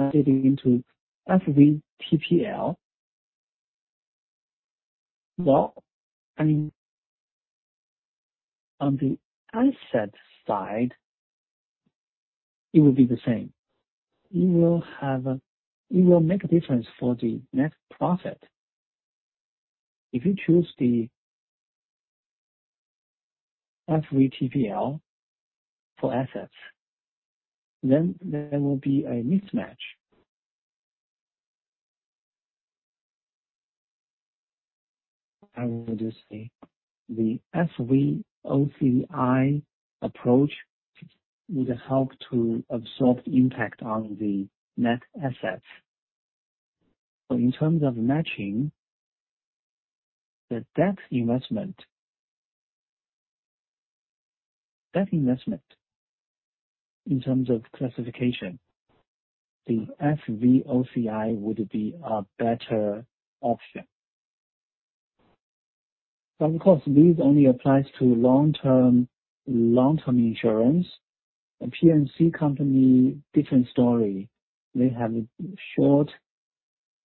I get into FVTPL? Well, I mean, on the asset side, it would be the same. It will make a difference for the net profit. If you choose the FVTPL for assets, there will be a mismatch. I would just say the FVOCI approach would help to absorb the impact on the net assets. In terms of matching the debt investment in terms of classification, the FVOCI would be a better option. Of course, this only applies to long-term insurance. A P&C company, different story. They have short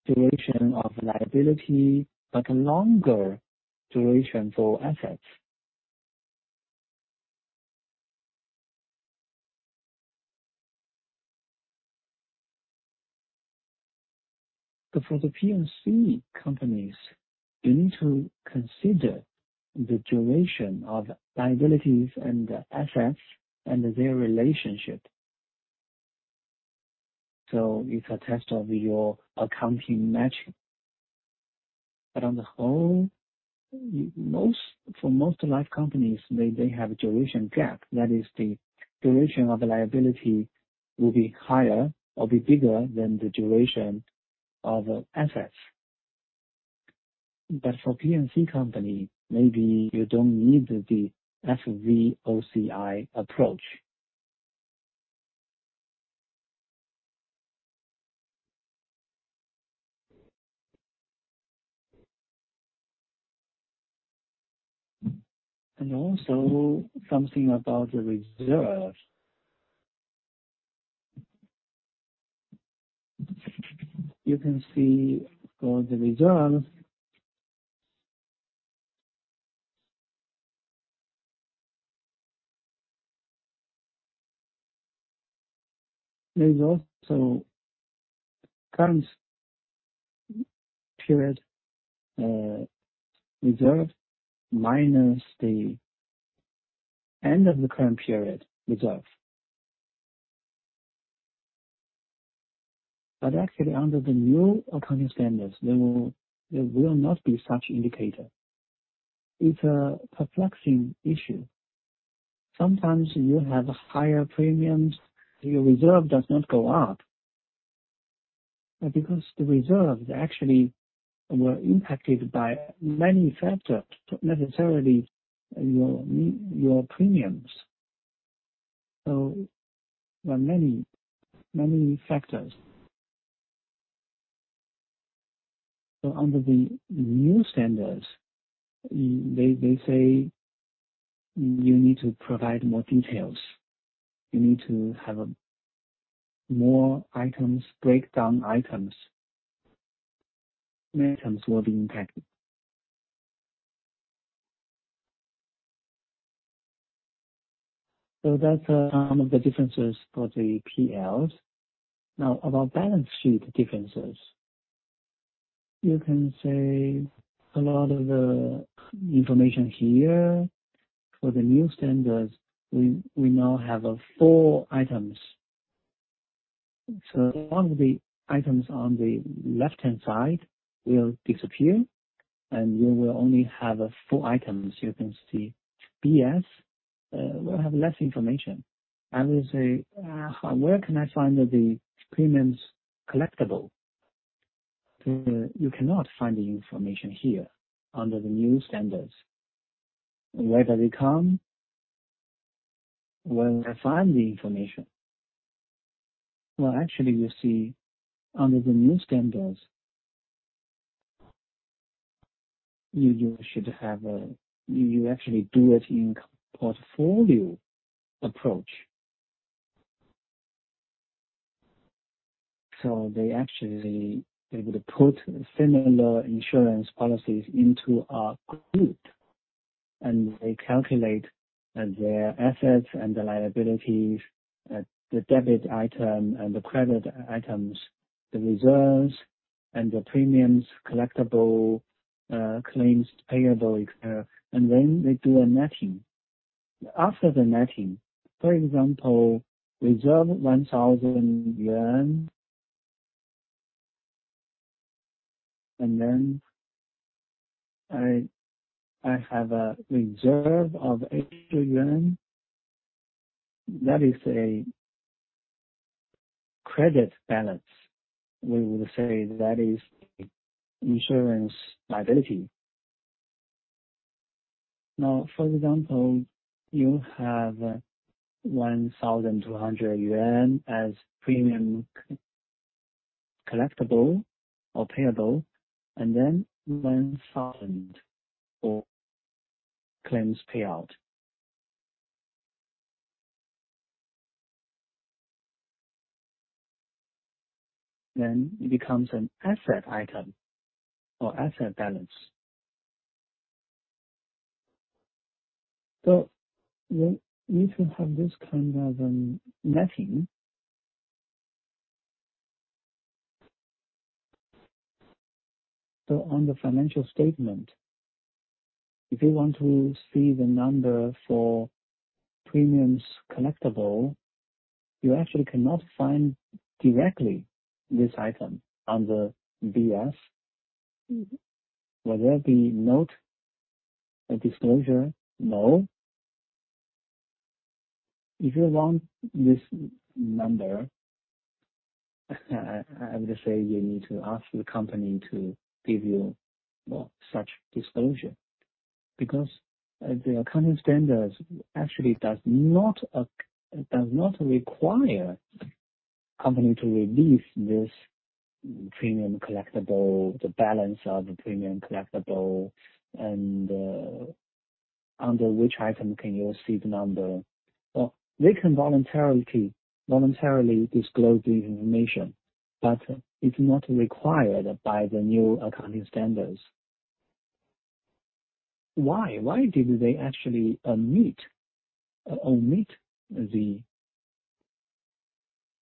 duration of liability, but longer duration for assets. For the P&C companies, you need to consider the duration of liabilities and assets and their relationship. It's a test of your accounting matching. On the whole, for most life companies, they have duration gap. That is, the duration of the liability will be higher or be bigger than the duration of assets. For P&C company, maybe you don't need the FVOCI approach. Also something about the reserves. You can see for the reserves. There is also current period reserve minus the end of the current period reserve. Actually under the new accounting standards, there will not be such indicator. It's a perplexing issue. Sometimes you have higher premiums, your reserve does not go up. Because the reserves actually were impacted by many factors, not necessarily your premiums. There are many, many factors. Under the new standards, they say you need to provide more details, you need to have a more items, breakdown items. Many items will be impacted. That's some of the differences for the P&Ls. Now, about balance sheet differences. You can say a lot of the information here for the new standards, we now have four items. All the items on the left-hand side will disappear, and you will only have four items. You can see BS, we'll have less information. I will say, where can I find the premiums collectible? You cannot find the information here under the new standards. Where do they come? Where I find the information? Actually you see under the new standards, you actually do it in portfolio approach. They actually, they would put similar insurance policies into a group, and they calculate their assets and liabilities, the debit item and the credit items, the reserves and the premiums collectible, claims payable, et cetera, and then they do a netting. After the netting, for example, reserve RMB 1,000, and then I have a reserve of 80. That is a credit balance. We would say that is insurance liability. For example, you have 1,200 yuan as premium collectible or payable, and then 1,000 for claims payout. It becomes an asset item or asset balance. You need to have this kind of a netting. On the financial statement, if you want to see the number for premiums collectible, you actually cannot find directly this item on the BS. Will there be note, a disclosure? No. If you want this number, I would say you need to ask the company to give you such disclosure, because the accounting standards actually does not require company to release this premium collectible, the balance of the premium collectible, and under which item can you see the number. Well, they can voluntarily disclose the information, but it's not required by the new accounting standards. Why? Why did they actually omit the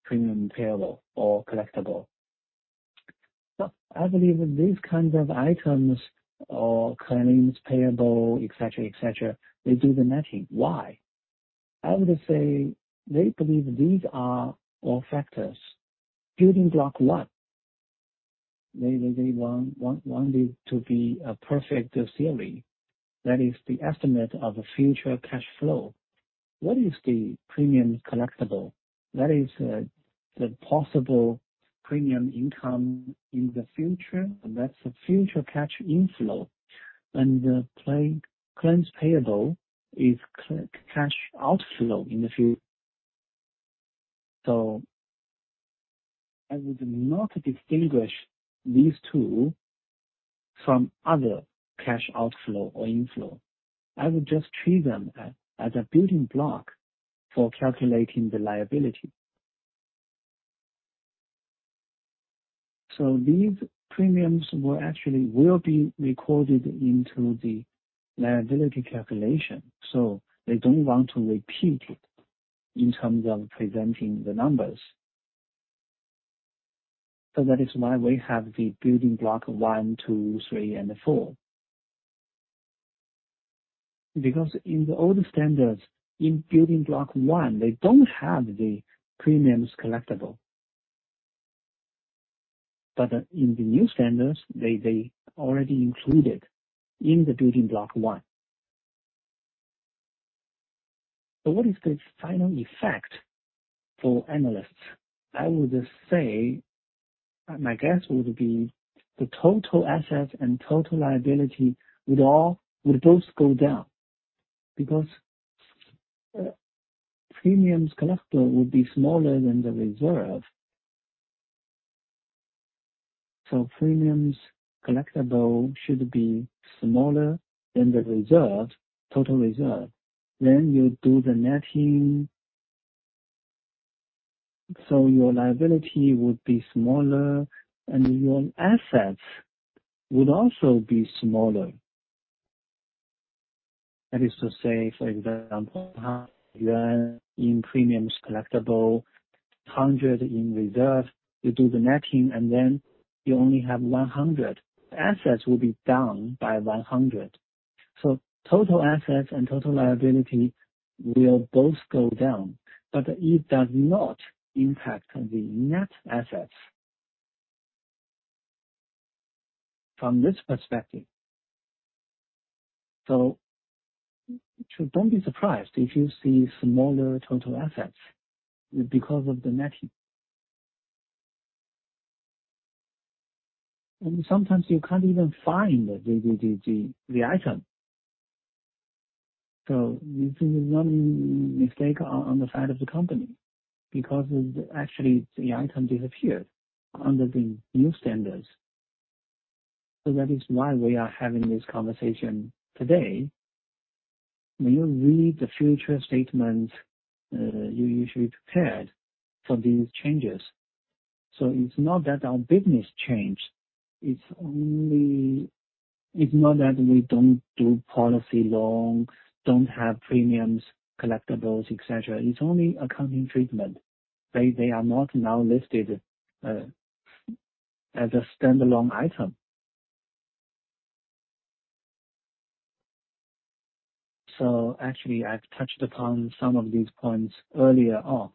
premium payable or collectible? I believe these kinds of items or claims payable, et cetera, et cetera, they do the netting. Why? I would say they believe these are all factors. Building block what? Maybe they want it to be a perfect theory. That is the estimate of the future cash flow. What is the premium collectible? That is the possible premium income in the future, and that's the future cash inflow. The claims payable is cash outflow in the future. I would not distinguish these two from other cash outflow or inflow. I would just treat them as a Building block for calculating the liability. These premiums will actually be recorded into the liability calculation, so they don't want to repeat it in terms of presenting the numbers. That is why we have the building block one, two, three, and four. In the old standards, in building block one, they don't have the premiums collectible. In the new standards, they already included in the building block one. What is the final effect for analysts? I would just say, my guess would be the total assets and total liability would both go down because premiums collectible would be smaller than the reserve. Premiums collectible should be smaller than the reserve, total reserve. You do the netting, so your liability would be smaller and your assets would also be smaller. That is to say, for example, RMB 100 in premiums collectible, 100 in reserve, you do the netting, and then you only have 100. Assets will be down by 100. Total assets and total liability will both go down, but it does not impact the net assets from this perspective. Don't be surprised if you see smaller total assets because of the netting. Sometimes you can't even find the item. This is not a mistake on the side of the company because actually the item disappeared under the new standards. That is why we are having this conversation today. When you read the future statements, you usually prepared for these changes. It's not that our business changed. It's not that we don't do policy long, don't have premiums, collectables, et cetera. It's only accounting treatment. They are not now listed as a standalone item. Actually I've touched upon some of these points earlier on.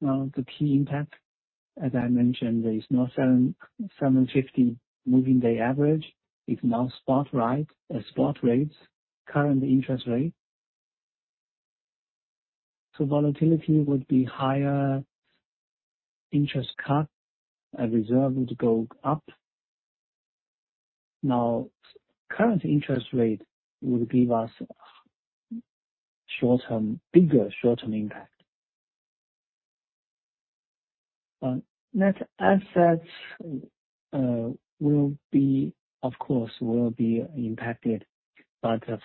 The key impact, as I mentioned, there is no 750-day moving average. It's now spot rate, spot rates, current interest rate. Volatility would be higher, interest cut and reserve would go up. Current interest rate would give us short-term, bigger short-term impact. Net assets will be, of course, impacted.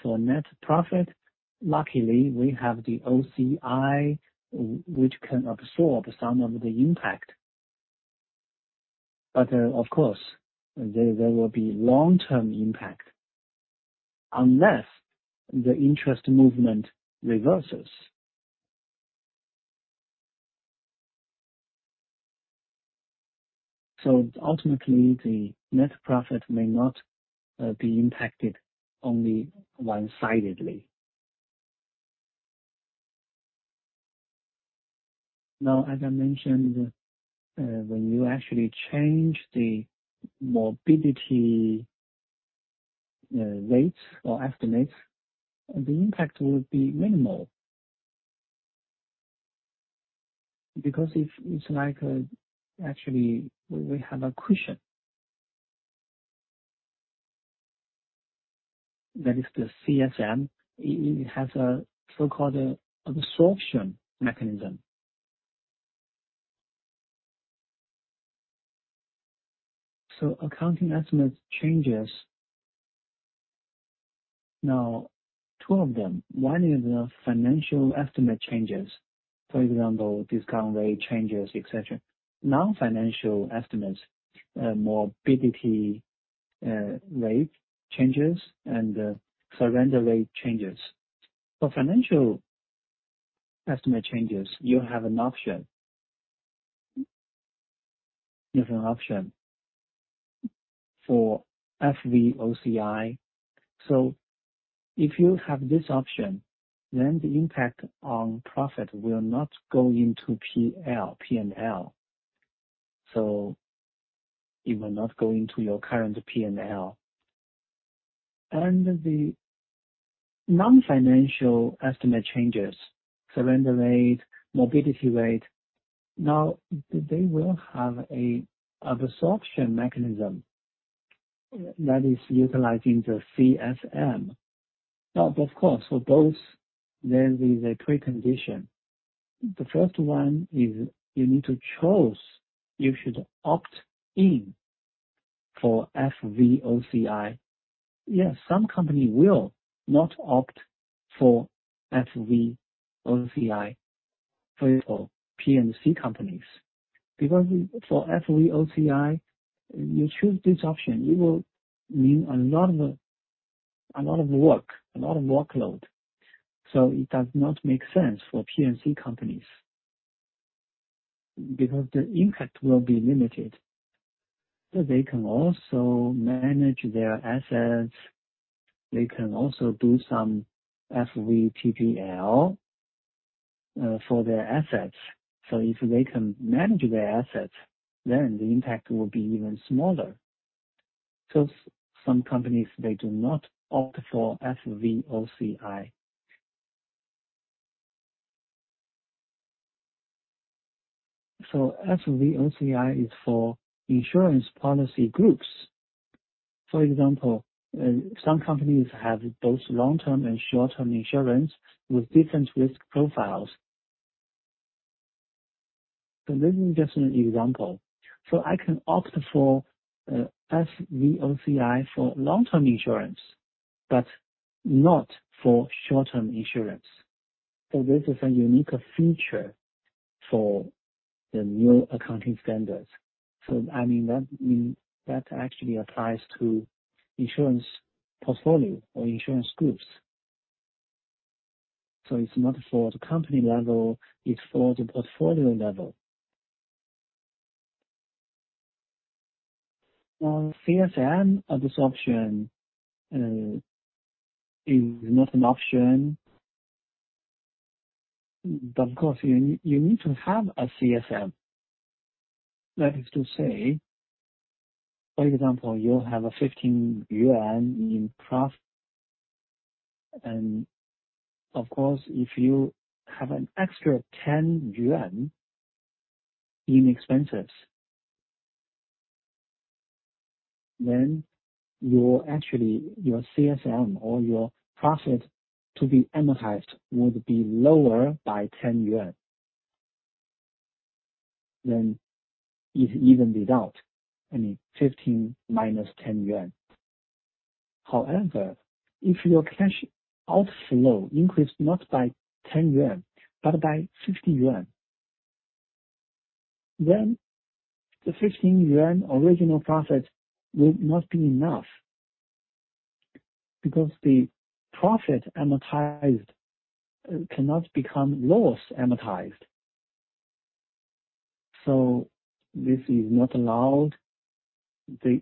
For net profit, luckily, we have the OCI, which can absorb some of the impact. Of course, there will be long-term impact unless the interest movement reverses. Ultimately, the net profit may not be impacted only one-sidedly. As I mentioned, when you actually change the morbidity rates or estimates, the impact will be minimal. Because if it's like, actually we have a cushion. That is the CSM. It has a so-called absorption mechanism. Accounting estimate changes two of them. One is the financial estimate changes, for example, discount rate changes, et cetera. Non-financial estimates, morbidity rate changes and surrender rate changes. For financial estimate changes, you have an option. You have an option for FVOCI. If you have this option, then the impact on profit will not go into P&L. It will not go into your current P&L. The non-financial estimate changes, surrender rate, morbidity rate, now they will have an absorption mechanism that is utilizing the CSM. Of course, for those, there is a precondition. The first one is you need to choose, you should opt in for FVOCI. Yes, some company will not opt for FVOCI, for example, P&C companies. For FVOCI, you choose this option, it will mean a lot of work, a lot of workload. It does not make sense for P&C companies because the impact will be limited. They can also manage their assets. They can also do some FVTPL for their assets. If they can manage their assets, then the impact will be even smaller. Some companies, they do not opt for FVOCI. FVOCI is for insurance policy groups. For example, some companies have both long-term and short-term insurance with different risk profiles. This is just an example. I can opt for FVOCI for long-term insurance, but not for short-term insurance. This is a unique feature for the new accounting standards. I mean, that actually applies to insurance portfolio or insurance groups. It's not for the company level, it's for the portfolio level. On CSM absorption is not an option. Of course, you need to have a CSM. That is to say, for example, you have a 15 yuan in profit. Of course, if you have an extra 10 yuan in expenses, then your actually, your CSM or your profit to be amortized would be lower by 10 yuan than it evened out, I mean, 15 minus 10 yuan. However, if your cash outflow increased not by 10 yuan, but by 60 yuan, then the 15 yuan original profit will not be enough because the profit amortized cannot become loss amortized. This is not allowed. The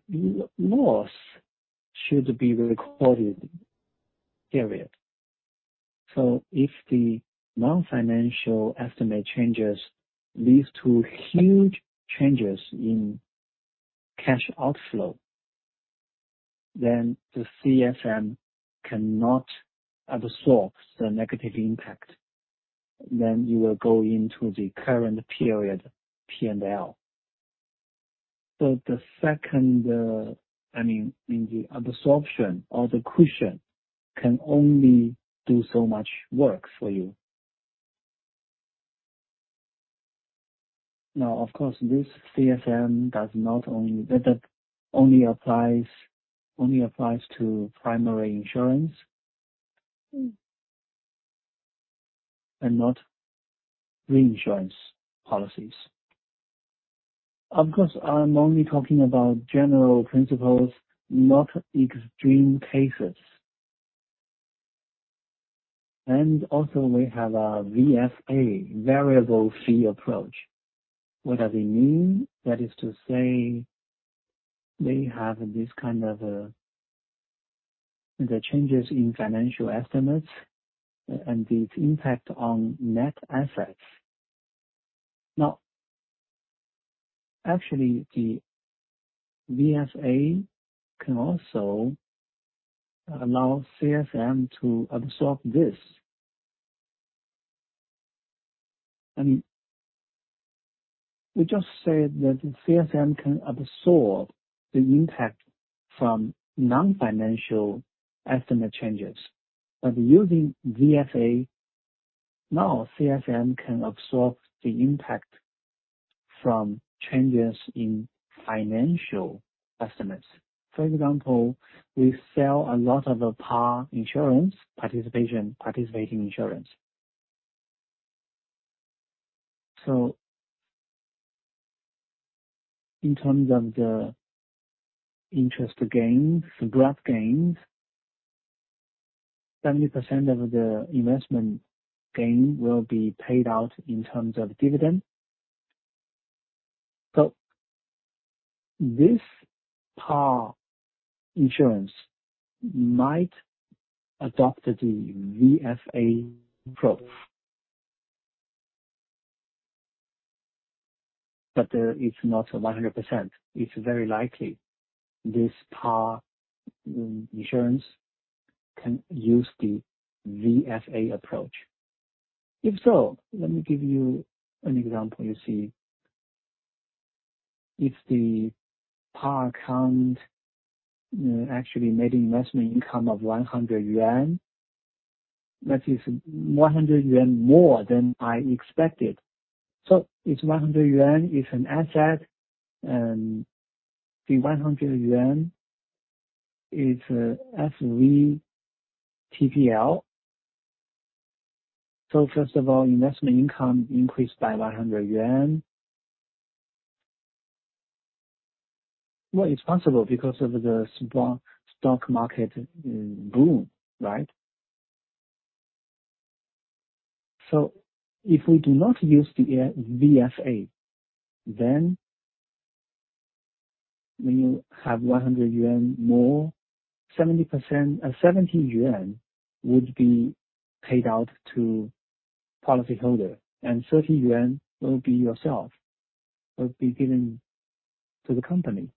loss should be recorded, period. If the non-financial estimate changes leads to huge changes in cash outflow, then the CSM cannot absorb the negative impact, then you will go into the current period P&L. The second, I mean, the absorption or the cushion can only do so much work for you. Of course, this CSM only applies to primary insurance and not reinsurance policies. Of course, I'm only talking about general principles, not extreme cases. We have a VFA, Variable Fee Approach. What does it mean? That is to say, they have this kind of, the changes in financial estimates and its impact on net assets. Actually, the VFA can also allow CSM to absorb this. We just said that CSM can absorb the impact from non-financial estimate changes. Using VFA, now CSM can absorb the impact from changes in financial estimates. For example, we sell a lot of the PAR insurance, participating insurance. In terms of the interest gains, the spread gains, 70% of the investment gain will be paid out in terms of dividend. This PAR insurance might adopt the VFA approach, but it's not 100%. It's very likely this PAR insurance can use the VFA approach. If so, let me give you an example. You see, if the PAR account actually made investment income of 100 yuan. That is 100 yuan more than I expected. It's 100 yuan, it's an asset, and the RMB 100 is FVTPL. First of all, investment income increased by 100 yuan. Well, it's possible because of the stock market boom, right? If we do not use the VFA, then when you have 100 yuan more, 70%... Seventy yuan would be paid out to policyholder, and 30 yuan will be yourself. Will be given to the company.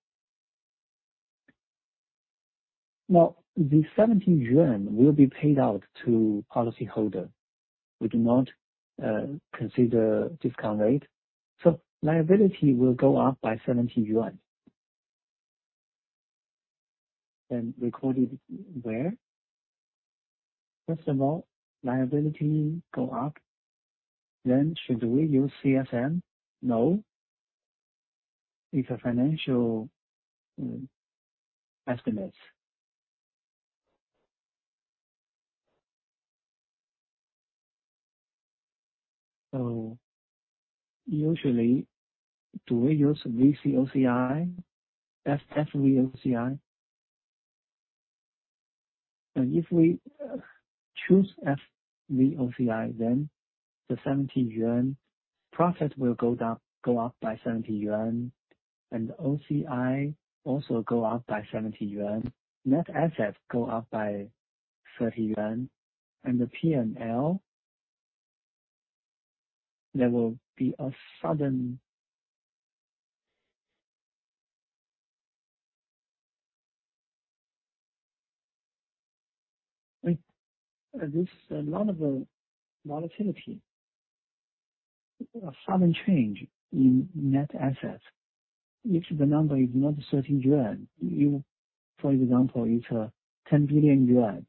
The RMB 70 will be paid out to policyholder. We do not consider discount rate. Liability will go up by 70 yuan. Record it where? First of all, liability go up, then should we use CSM? No. It's a financial estimates. Usually, do we use VCOCI? FVOCI? If we choose FVOCI, then the 70 yuan, profit will go up by 70 yuan, and OCI also go up by 70 yuan. Net assets go up by 30 yuan, and the P&L, there will be a sudden... Right. There's a lot of volatility, a sudden change in net assets, if the number is not 30 yuan. For example, it's 10 billion yuan.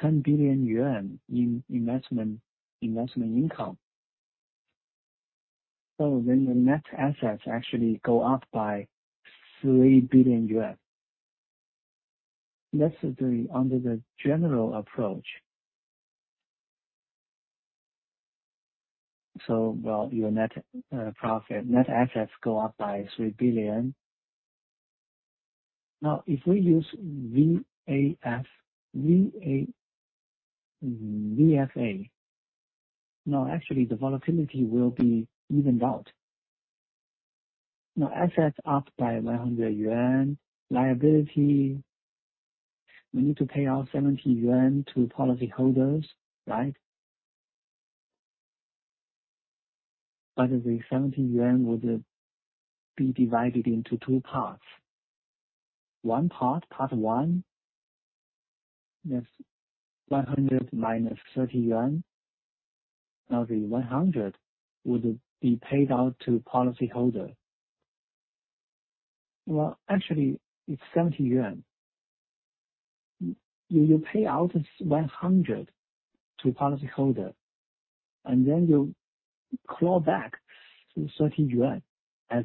10 billion yuan in investment income. The net assets actually go up by 3 billion. Necessarily under the general approach. Well, your net profit, net assets go up by 3 billion. Now, if we use VFA, actually, the volatility will be evened out. Now, assets up by 100 yuan. Liability, we need to pay out 70 yuan to policyholders, right? The 70 yuan would be divided into two parts. One part one, that's 100 minus 30 yuan. Now, the 100 would be paid out to policyholder. Well, actually, it's 70 yuan. You pay out 100 to policyholder, and then you claw back 30 yuan as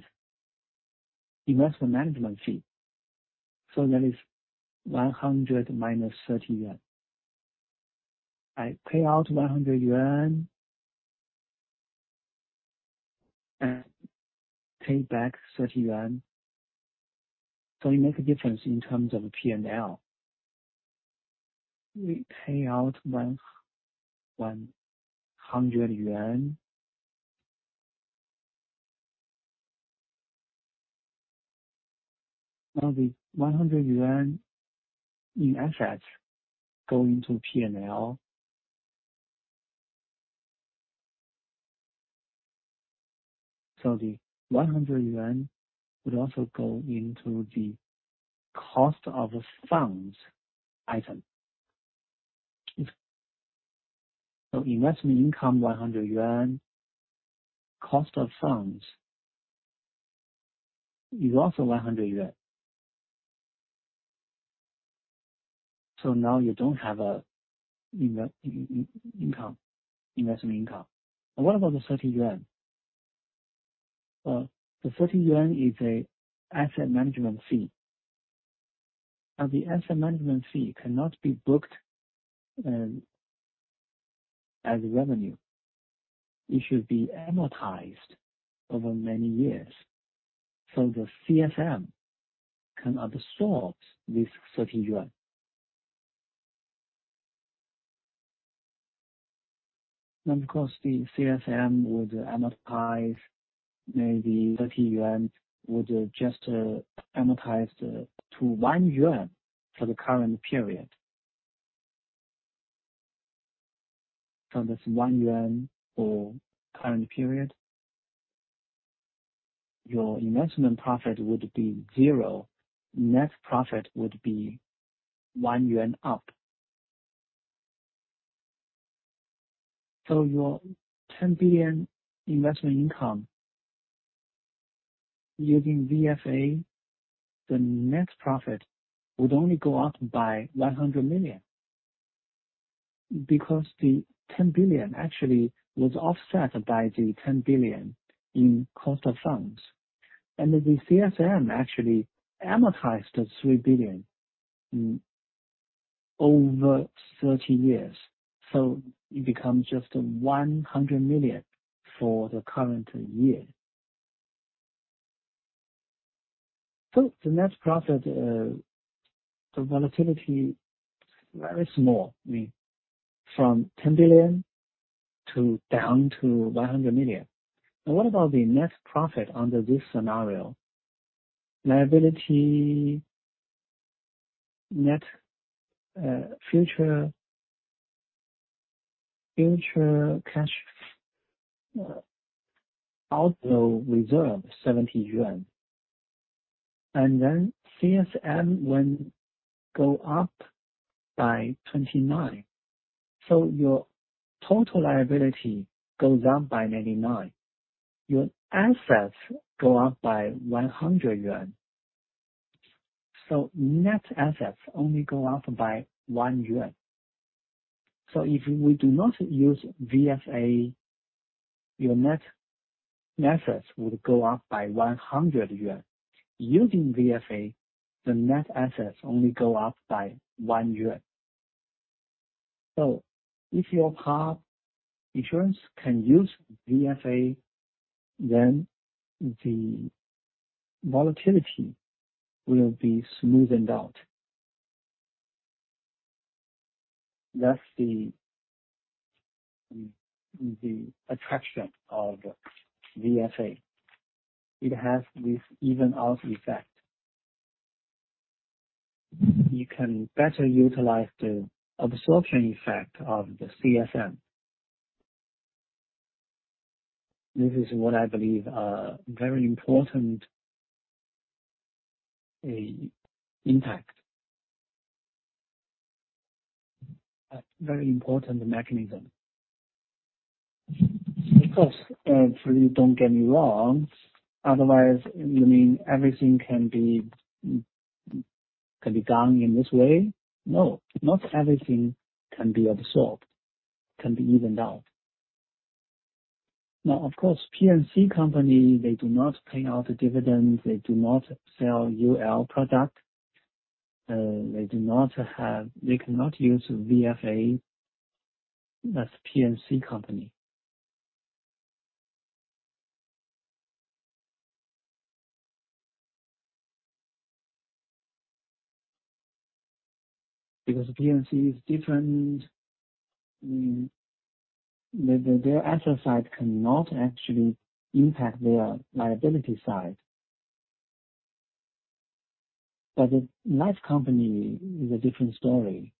investment management fee. That is 100 minus 30 yuan. I pay out 100 yuan and pay back 30 yuan. It makes a difference in terms of P&L. We pay out 100 yuan. The 100 yuan in assets go into P&L. The RMB 100 would also go into the cost of funds item. Investment income, RMB 100. Cost of funds is also 100 yuan. Now you don't have a investment income. What about the 30 yuan? Well, the 30 yuan is a asset management fee. The asset management fee cannot be booked as revenue. It should be amortized over many years. The CSM cannot absorb this 30 yuan. Of course, the CSM would amortize maybe 30 yuan, would just amortize to 1 yuan for the current period. That's RMB 1 for current period. Your investment profit would be zero. Net profit would be 1 yuan up. Your 10 billion investment income, using VFA, the net profit would only go up by 100 million because the 10 billion actually was offset by the 10 billion in cost of funds. The CSM actually amortized the 3 billion over 30 years. It becomes just 100 million for the current year. The net profit, the volatility very small. I mean, from 10 billion to down to 100 million. What about the net profit under this scenario? Liability, net, future cash outflow reserve RMB 70. CSM will go up by 29. Your total liability goes up by 99. Your assets go up by 100 yuan. Net assets only go up by 1 yuan. If we do not use VFA, your net assets would go up by 100 yuan. Using VFA, the net assets only go up by 1 yuan. If your PAR insurance can use VFA, then the volatility will be smoothened out. That's the attraction of VFA. It has this even out effect. You can better utilize the absorption effect of the CSM. This is what I believe a very important, a impact. A very important mechanism. Of course, please don't get me wrong, otherwise, you mean everything can be done in this way? No, not everything can be absorbed, can be evened out. Of course, P&C company, they do not pay out dividends. They do not sell UL product. They cannot use VFA as P&C company. Because P&C is different. Their, their asset side cannot actually impact their liability side. But a life company is a different story.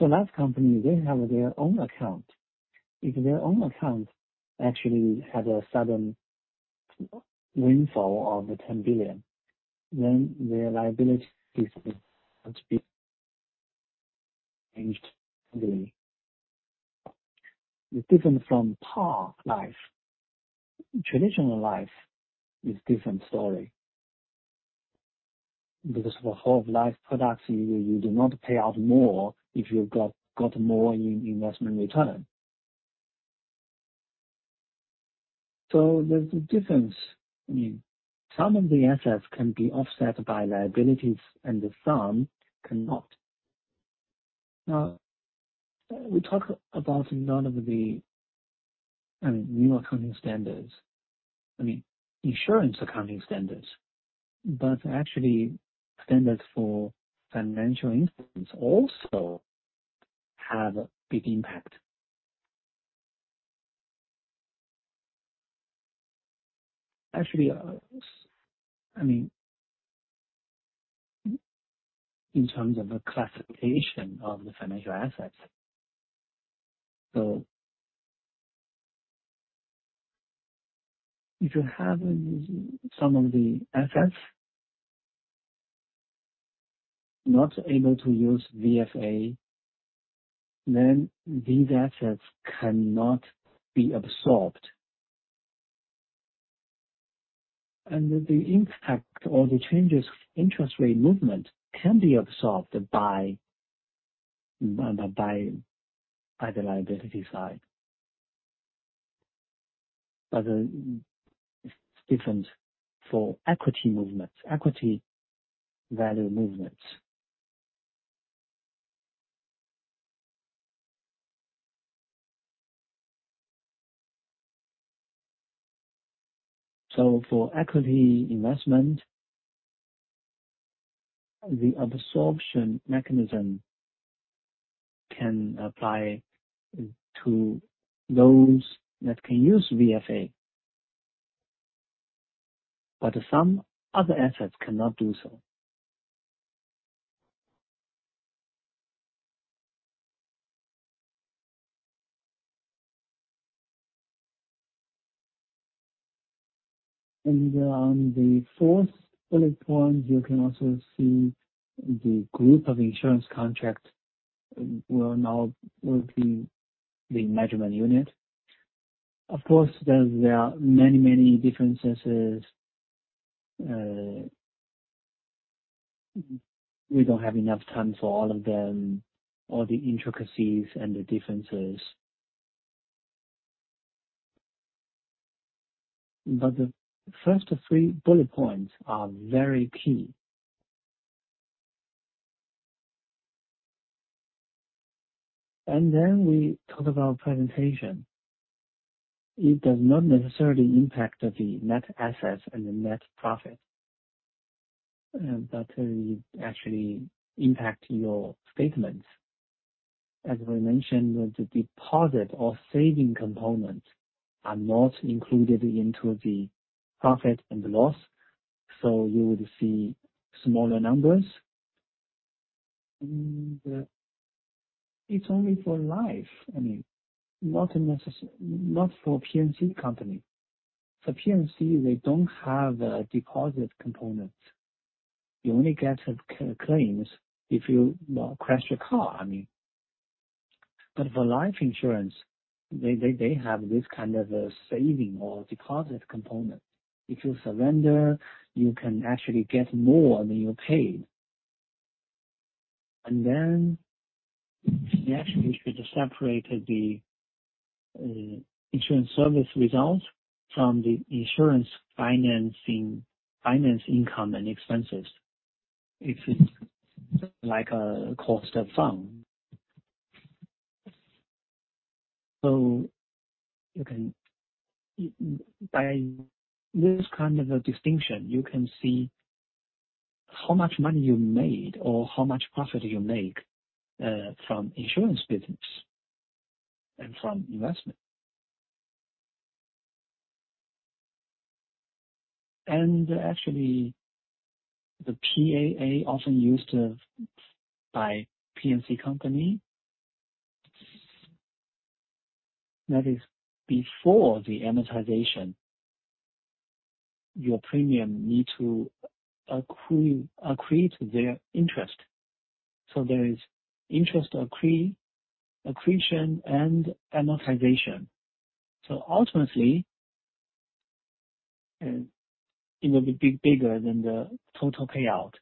Life company, they have their own account. If their own account actually has a sudden windfall of the 10 billion, then their liability is, must be changed completely. It's different from PAR life. Traditional life is different story. Because the whole of life products, you do not pay out more if you've got more in investment return. There's a difference. I mean, some of the assets can be offset by liabilities, and some cannot. We talk about none of the, I mean, new accounting standards. I mean, insurance accounting standards, but actually standards for financial instruments also have a big impact. Actually, I mean, in terms of the classification of the financial assets. If you have some of the assets not able to use VFA, then these assets cannot be absorbed. The impact or the changes, interest rate movement can be absorbed by the liability side. It's different for equity movements, equity value movements. For equity investment, the absorption mechanism can apply to those that can use VFA. Some other assets cannot do so. On the fourth bullet point, you can also see the groups of insurance contracts will be the measurement unit. Of course, there are many, many differences. We don't have enough time for all of them, all the intricacies and the differences. The first three bullet points are very key. We talk about presentation. It does not necessarily impact the net assets and the net profit, but it actually impact your statements. As we mentioned, the deposit or saving component are not included into the profit and loss. You would see smaller numbers. It's only for life, I mean, not for P&C company. For P&C, they don't have a deposit component. You only get claims if you crash your car, I mean. For life insurance, they have this kind of a saving or deposit component. If you surrender, you can actually get more than you paid. They actually should separate the insurance service results from the insurance financing, finance income and expenses. If it's like a cost of funds. By this kind of a distinction, you can see how much money you made or how much profit you make from insurance business and from investment. Actually, the PAA often used by P&C company. That is before the amortization, your premium need to accrue, accrete their interest. There is interest accretion and amortization. Ultimately, it will be bigger than the total payout.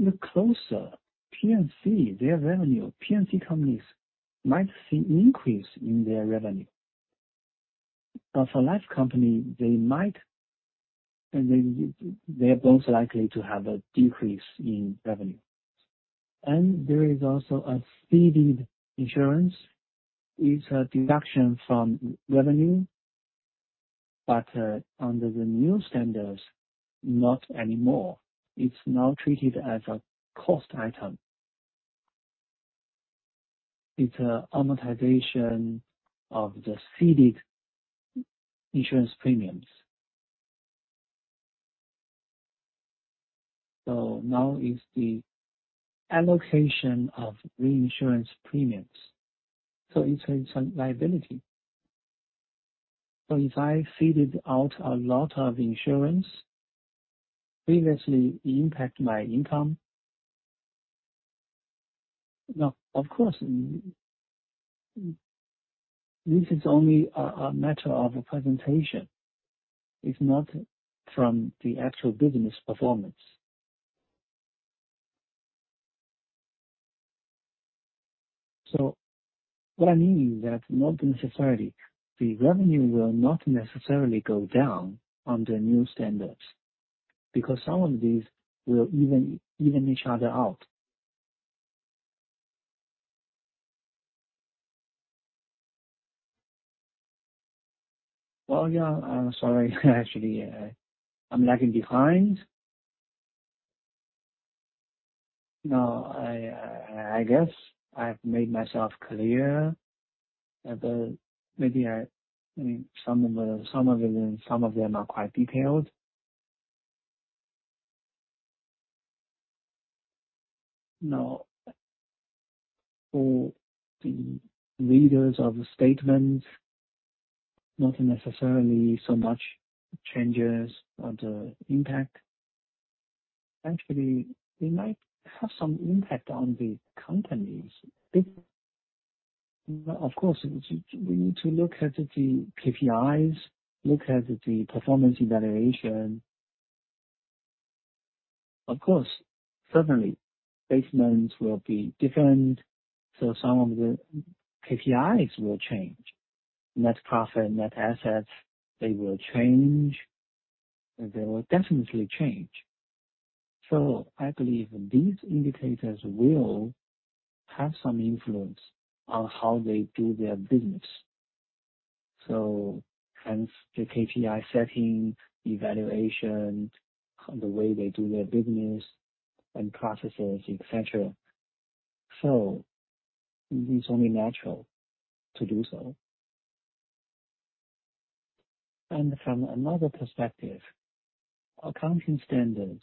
If you look closer, P&C, their revenue, P&C companies might see increase in their revenue. For life company, they are most likely to have a decrease in revenue. There is also a ceded insurance. It's a deduction from revenue, but under the new standards, not anymore. It's now treated as a cost item. It's a amortization of the ceded insurance premiums. Now is the allocation of reinsurance premiums. It's a liability. If I ceded out a lot of insurance, previously impact my income. Now, of course, this is only a matter of a presentation. It's not from the actual business performance. What I mean is that not necessarily. The revenue will not necessarily go down under new standards because some of these will even each other out. Yeah, I'm sorry. Actually, I'm lagging behind. I guess I've made myself clear, but maybe I mean, some of them are quite detailed. For the readers of the statement, not necessarily so much changes or the impact. Actually, it might have some impact on the companies. Of course, we need to look at the KPIs, look at the performance evaluation. Of course, certainly, basements will be different, some of the KPIs will change. Net profit, net assets, they will change. They will definitely change. I believe these indicators will have some influence on how they do their business. Hence the KPI setting, evaluation, the way they do their business and processes, et cetera. It's only natural to do so. From another perspective, accounting standards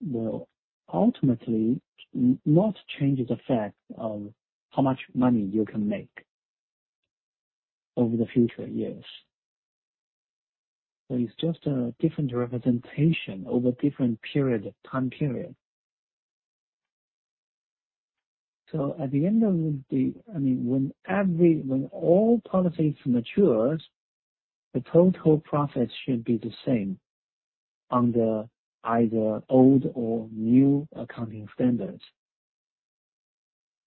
will ultimately not change the fact of how much money you can make over the future years. It's just a different representation over different period, time period. I mean, when all policies matures, the total profits should be the same under either old or new accounting standards.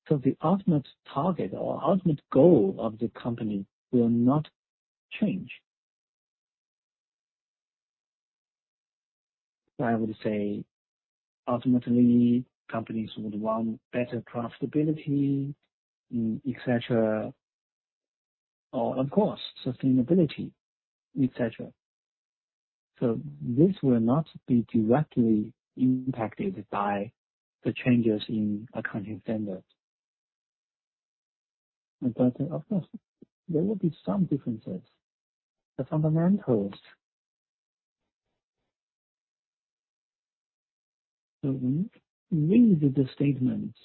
The ultimate target or ultimate goal of the company will not change. I would say ultimately, companies would want better profitability, et cetera, or of course, sustainability, et cetera. This will not be directly impacted by the changes in accounting standards. Of course, there will be some differences, the fundamentals. When you read the statements,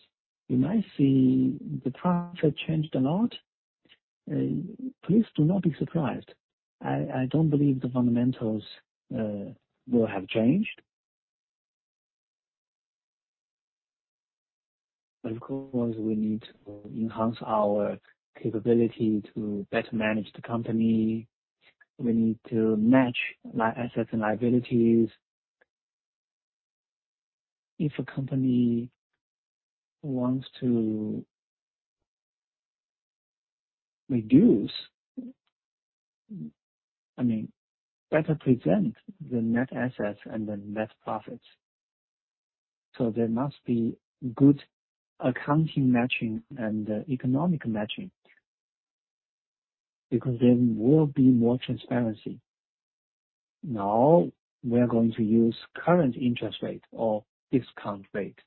you might see the profit changed a lot. Please do not be surprised. I don't believe the fundamentals will have changed. Of course, we need to enhance our capability to better manage the company. We need to match assets and liabilities. If a company wants to reduce, I mean, better present the net assets and the net profits. There must be good accounting matching and economic matching because there will be more transparency. Now, we are going to use current interest rate or discount rate.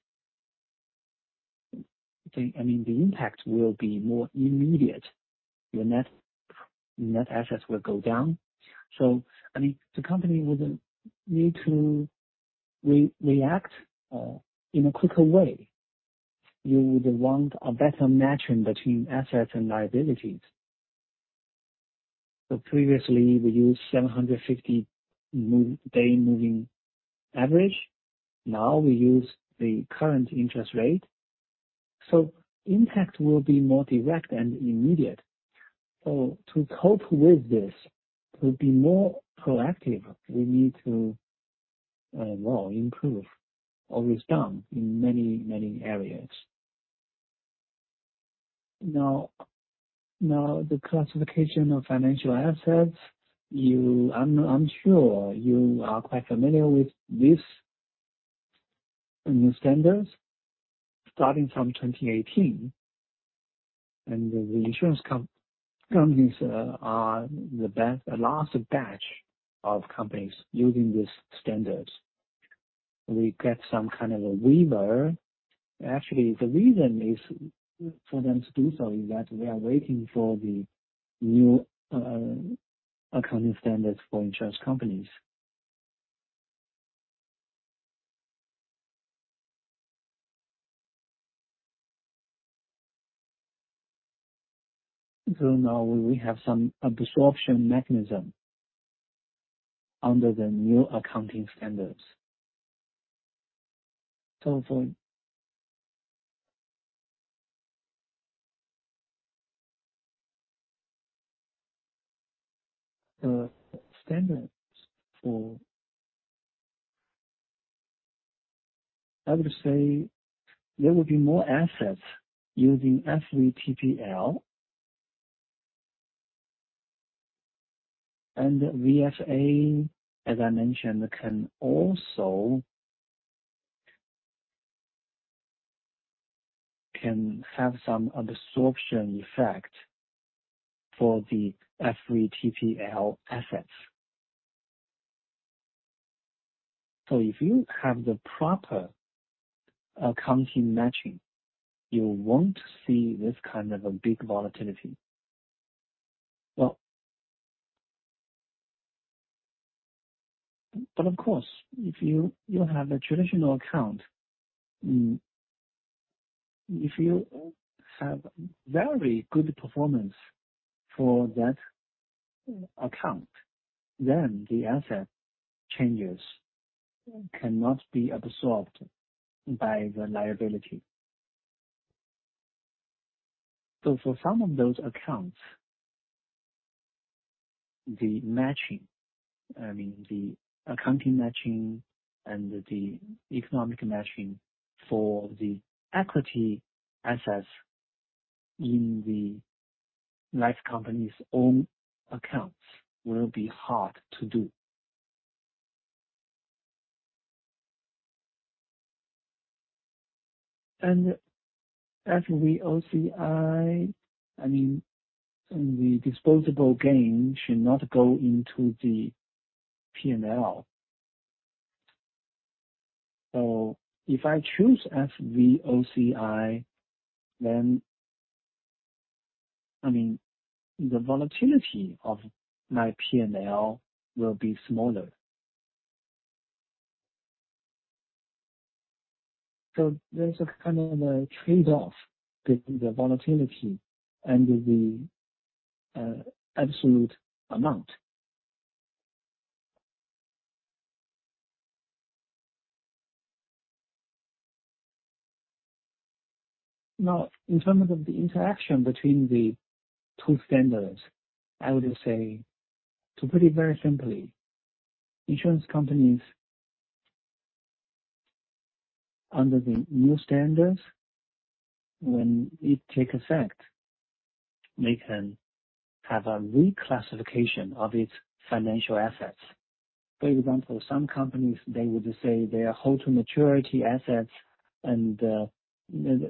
I mean, the impact will be more immediate. Your net assets will go down. I mean, the company would need to re-react in a quicker way. You would want a better matching between assets and liabilities. Previously we used 750-day moving average. We use the current interest rate. Impact will be more direct and immediate. To cope with this, to be more proactive, we need to, well, improve our wisdom in many, many areas. The classification of financial assets, I'm sure you are quite familiar with this new standards starting from 2018, and the insurance companies are the last batch of companies using this standard. We get some kind of a waiver. Actually, the reason is for them to do so is that we are waiting for the new accounting standards for insurance companies. We have some absorption mechanism under the new accounting standards. I would say there will be more assets using FVTPL. VFA, as I mentioned, can also have some absorption effect for the FVTPL assets. If you have the proper accounting matching, you won't see this kind of a big volatility. Of course, if you have a traditional account, if you have very good performance for that account, then the asset changes cannot be absorbed by the liability. For some of those accounts, the matching, I mean the accounting matching and the economic matching for the equity assets in the life company's own accounts will be hard to do. FVOCI, I mean, the disposable gain should not go into the P&L. If I choose FVOCI, then, I mean, the volatility of my P&L will be smaller. There's a kind of a trade-off between the volatility and the absolute amount. In terms of the interaction between the two standards, I would say, to put it very simply, insurance companies under the new standards, when it take effect, they can have a reclassification of its financial assets. For example, some companies, they would say their hold-to-maturity assets and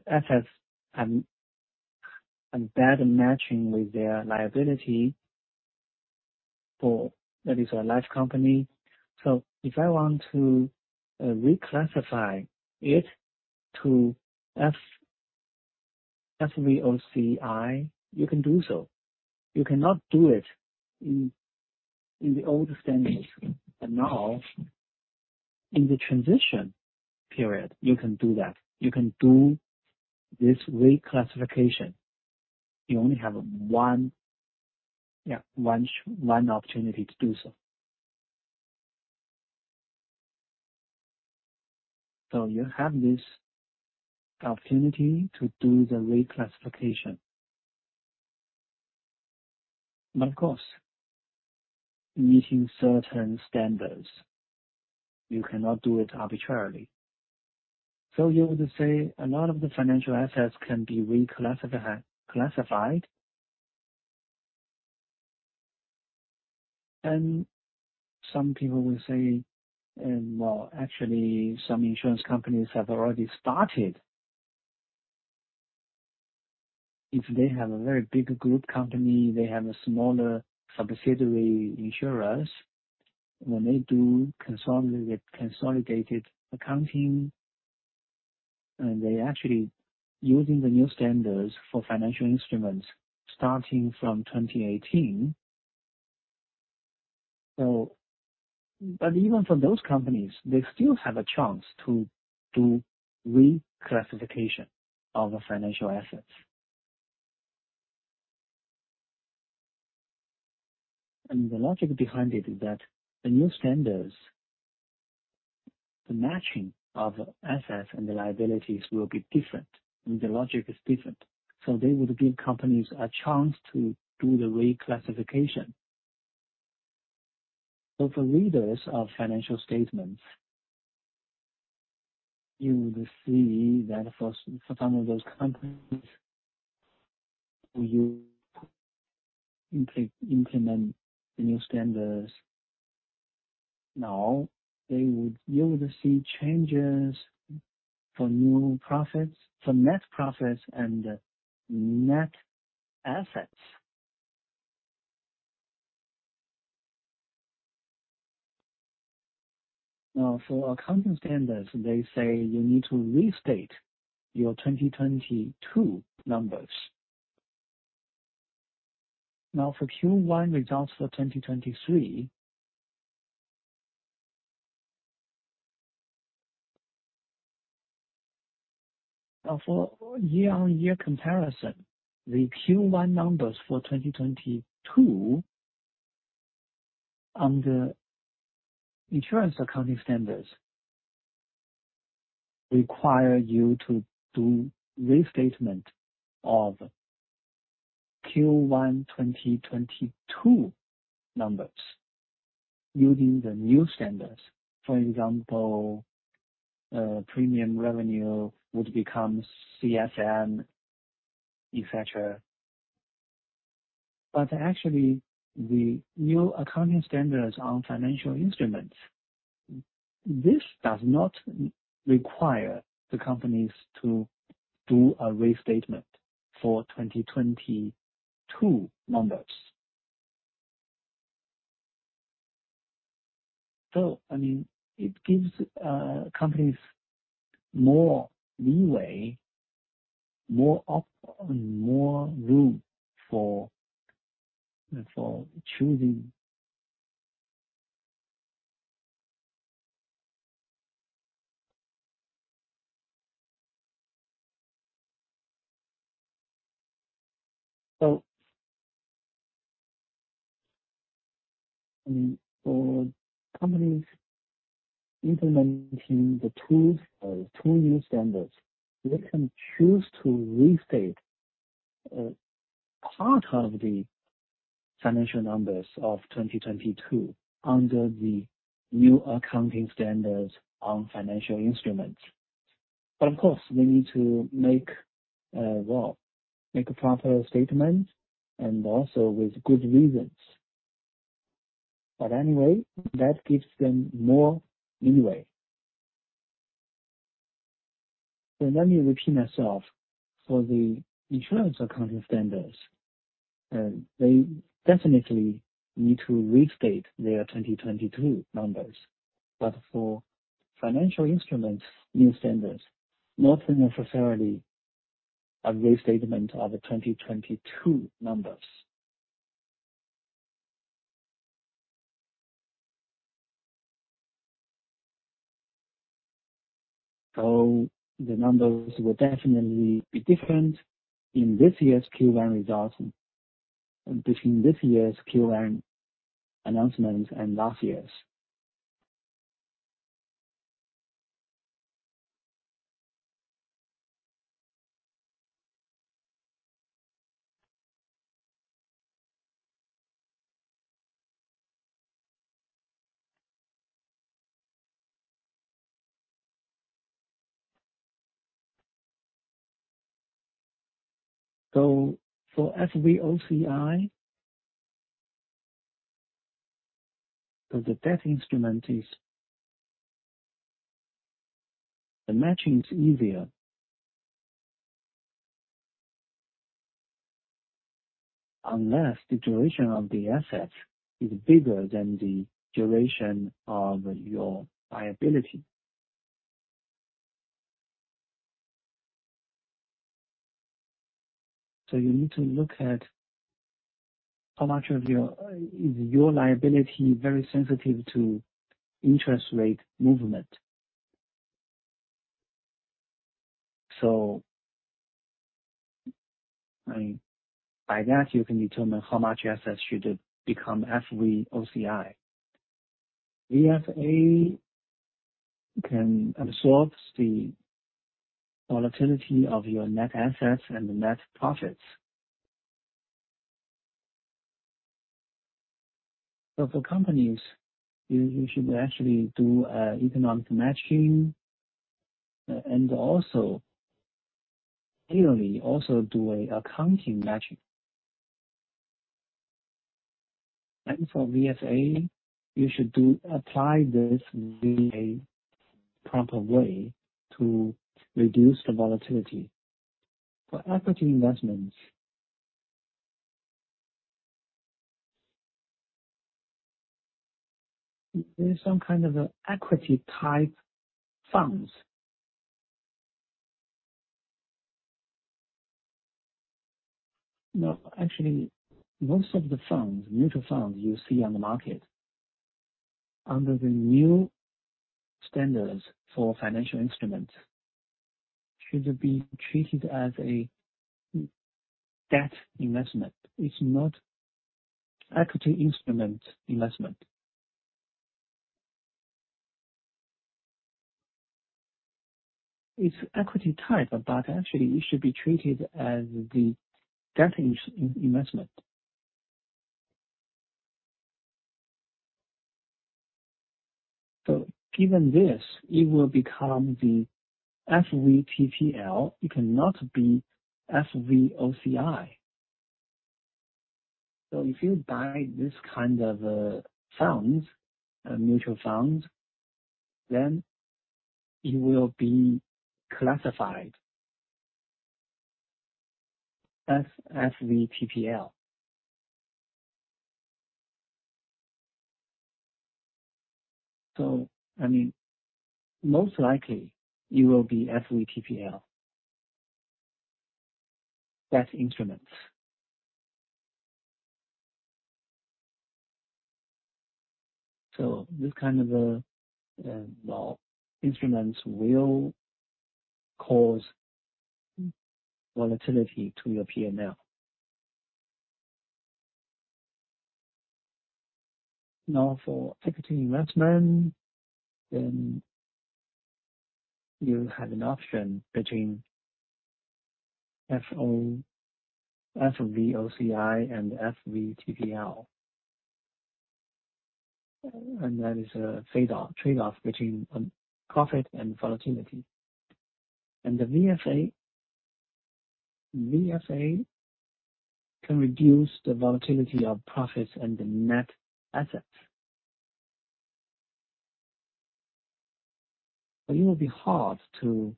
assets are better matching with their liability for at least a life company. If I want to reclassify it to FVOCI, you can do so. You cannot do it in the old standards. Now, in the transition period, you can do that. You can do this reclassification. You only have one opportunity to do so. You have this opportunity to do the reclassification. Of course, meeting certain standards, you cannot do it arbitrarily. You would say a lot of the financial assets can be reclassified. Some people will say... well, actually, some insurance companies have already started. If they have a very big group company, they have a smaller subsidiary insurers, when they do consolidated accounting, they actually using the new standards for financial instruments starting from 2018. Even for those companies, they still have a chance to do reclassification of the financial assets. The logic behind it is that the new standards, the matching of assets and the liabilities will be different, and the logic is different. They would give companies a chance to do the reclassification. For readers of financial statements, you would see that for some, for some of those companies, when you implement the new standards, you would see changes for new profits, for net profits and net assets. For accounting standards, they say you need to restate your 2022 numbers. For Q1 results for 2023. For year-over-year comparison, the Q1 numbers for 2022 under insurance accounting standards require you to do restatement of Q1 2022 numbers using the new standards. For example, premium revenue would become CSM, etc. Actually, the new accounting standards on financial instruments, this does not require the companies to do a restatement for 2022 numbers. I mean, it gives companies more leeway, more I mean, more room for choosing. I mean, for companies implementing the two new standards, they can choose to restate part of the financial numbers of 2022 under the new accounting standards on financial instruments. Of course, they need to make, well, make a proper statement and also with good reasons. Anyway, that gives them more leeway. So let me repeat myself. For the insurance accounting standards, they definitely need to restate their 2022 numbers. For financial instruments, new standards, not necessarily a restatement of the 2022 numbers. The numbers will definitely be different in this year's Q1 results, between this year's Q1 announcements and last year's. For FVOCI, the debt instrument. The matching is easier. Unless the duration of the asset is bigger than the duration of your liability. You need to look at how much is your liability very sensitive to interest rate movement. I mean, by that, you can determine how much assets should become FVOCI. VFA can absorb the volatility of your net assets and the net profits. For companies, you should actually do economic matching, and also, ideally, also do a accounting matching. For VFA, you should apply this in a proper way to reduce the volatility. For equity investments, there's some kind of equity type funds. No, actually most of the funds, mutual funds you see on the market under the new standards for financial instruments should be treated as a debt investment. It's not equity instrument investment. It's equity type, but actually it should be treated as the debt investment. Given this, it will become the FVTPL. It cannot be FVOCI. If you buy this kind of funds, mutual funds, then it will be classified as FVTPL. I mean, most likely it will be FVTPL. Debt instruments. This kind of, well, instruments will cause volatility to your P&L. Now for equity investment, then you have an option between FVOCI and FVTPL. That is a trade-off between profit and volatility. The VFA can reduce the volatility of profits and the net assets. It will be hard to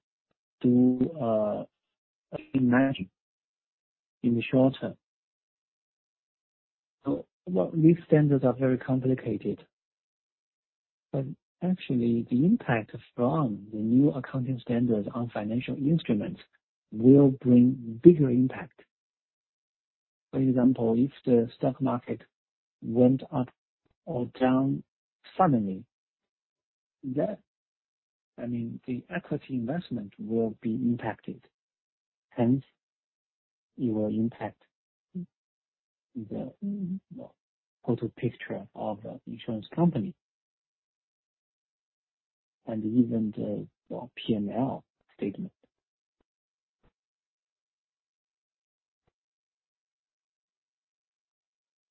do imagine in the short term. Well, these standards are very complicated, but actually the impact from the new accounting standards on financial instruments will bring bigger impact. For example, if the stock market went up or down suddenly, that I mean, the equity investment will be impacted, hence it will impact the, well, total picture of the insurance company and even the, well, P&L statement.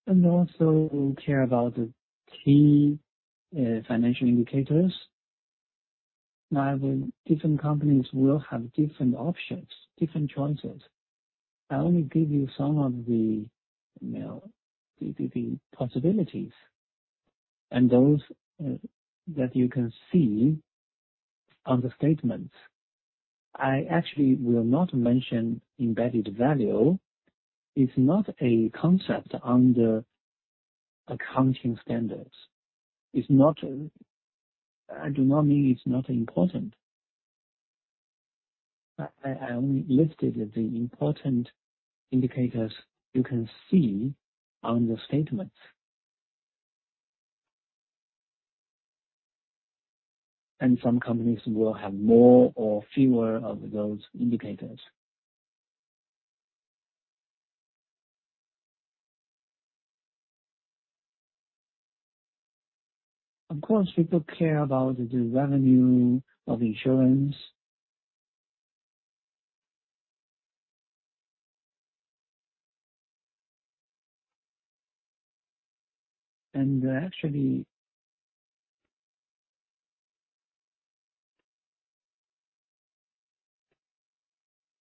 Also we care about the key financial indicators. Now, the different companies will have different options, different choices. I only give you some of the, you know, the, the possibilities. Those that you can see on the statements, I actually will not mention embedded value. It's not a concept under accounting standards. It's not. I do not mean it's not important. I only listed the important indicators you can see on the statements. Some companies will have more or fewer of those indicators. Of course, people care about the revenue of insurance. Actually,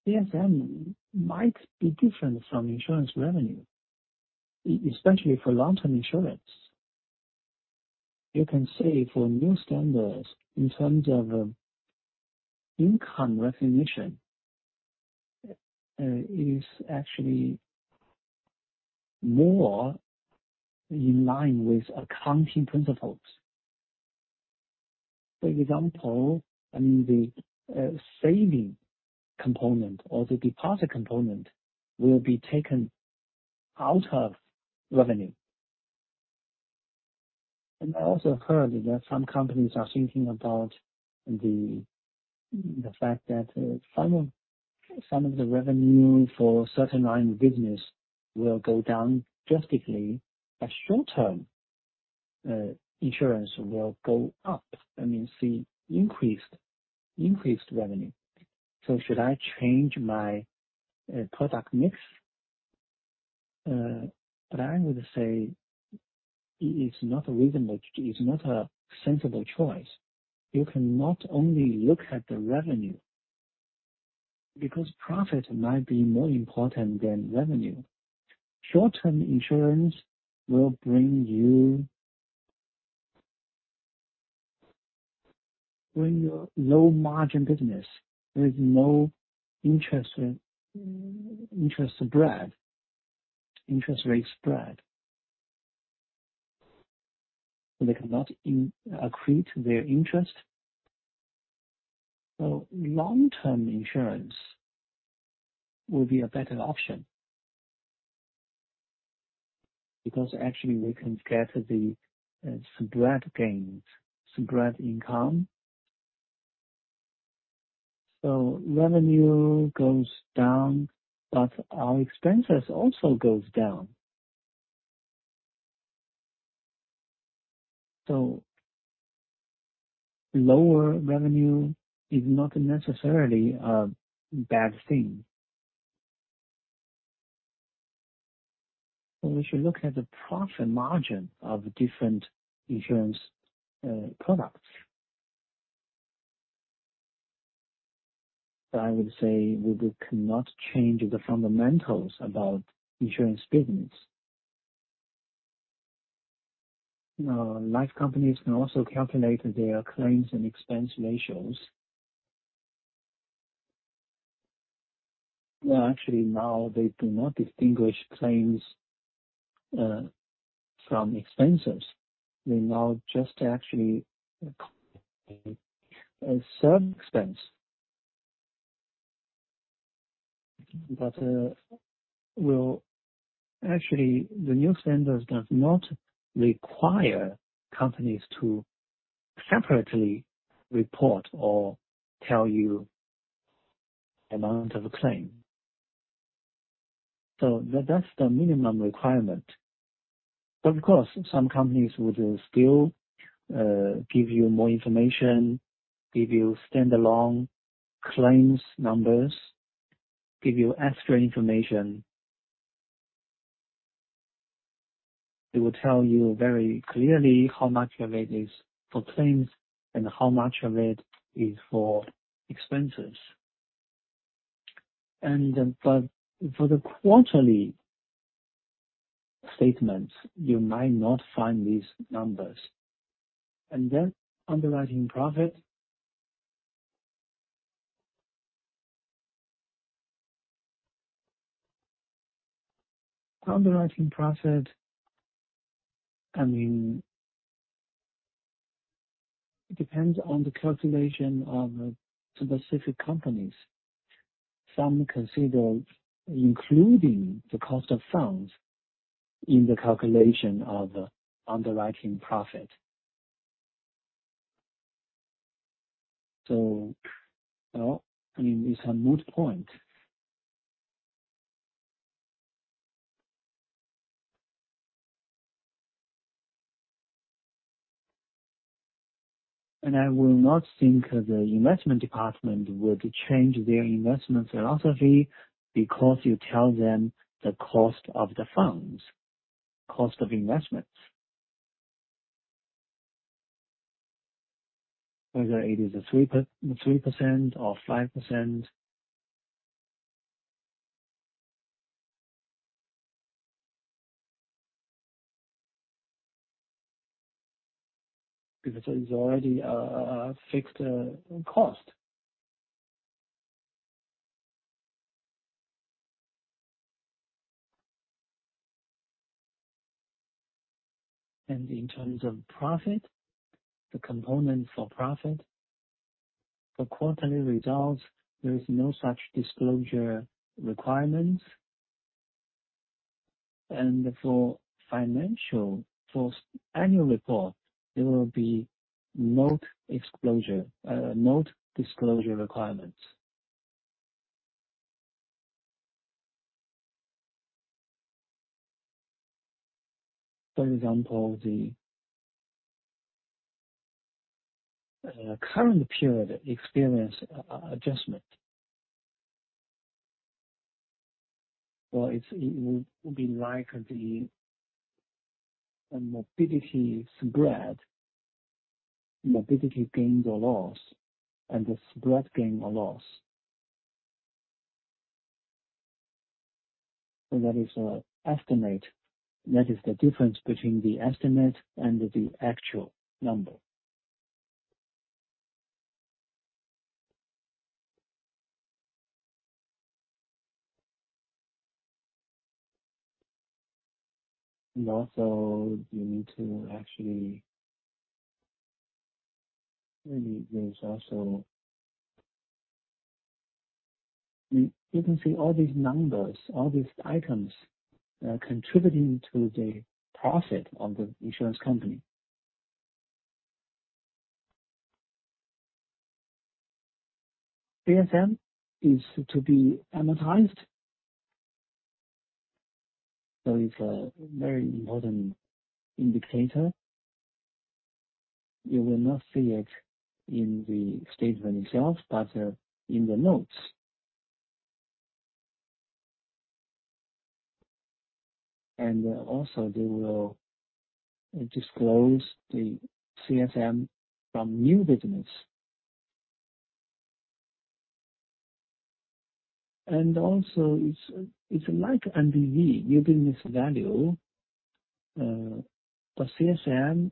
CSM might be different from insurance revenue, especially for long-term insurance. You can say for new standards in terms of income recognition is actually more in line with accounting principles. For example, I mean, the saving component or the deposit component will be taken out of revenue. I also heard that some companies are thinking about the fact that some of the revenue for certain line of business will go down drastically, but short term insurance will go up. I mean, see increased revenue. Should I change my product mix? I would say it's not a reason which is not a sensible choice. You cannot only look at the revenue, because profit might be more important than revenue. Short-term insurance will bring you low margin business with no interest spread, interest rate spread. They cannot accrete their interest. Long-term insurance will be a better option because actually we can get the spread gains, spread income. Revenue goes down, but our expenses also goes down. Lower revenue is not necessarily a bad thing. We should look at the profit margin of different insurance products. I would say we cannot change the fundamentals about insurance business. Life companies can also calculate their claims and expense ratios. Well, actually now they do not distinguish claims from expenses. They now just actually claim a certain expense. Well, actually the new standards does not require companies to separately report or tell you amount of claim. That's the minimum requirement. Of course, some companies would still give you more information, give you standalone claims numbers, give you extra information. They will tell you very clearly how much of it is for claims and how much of it is for expenses. For the quarterly statements, you might not find these numbers. Underwriting profit. Underwriting profit, I mean, depends on the calculation of specific companies. Some consider including the cost of funds in the calculation of underwriting profit. You know, I mean, it's a moot point. I would not think the investment department would change their investment philosophy because you tell them the cost of the funds, cost of investments. Whether it is a 3% or 5%. It's already a fixed cost. In terms of profit, the components for profit. For quarterly results, there is no such disclosure requirements. For annual report, there will be note disclosure requirements. For example, the current period experience adjustment. It would be like the morbidity spread, morbidity gains or loss, and the spread gain or loss. That is a estimate. That is the difference between the estimate and the actual number. Also you need to actually... Maybe there's also... You can see all these numbers, all these items contributing to the profit of the insurance company. CSM is to be amortized. It's a very important indicator. You will not see it in the statement itself, but in the notes. Also, they will disclose the CSM from new business. Also, it's like NBV, new business value, but CSM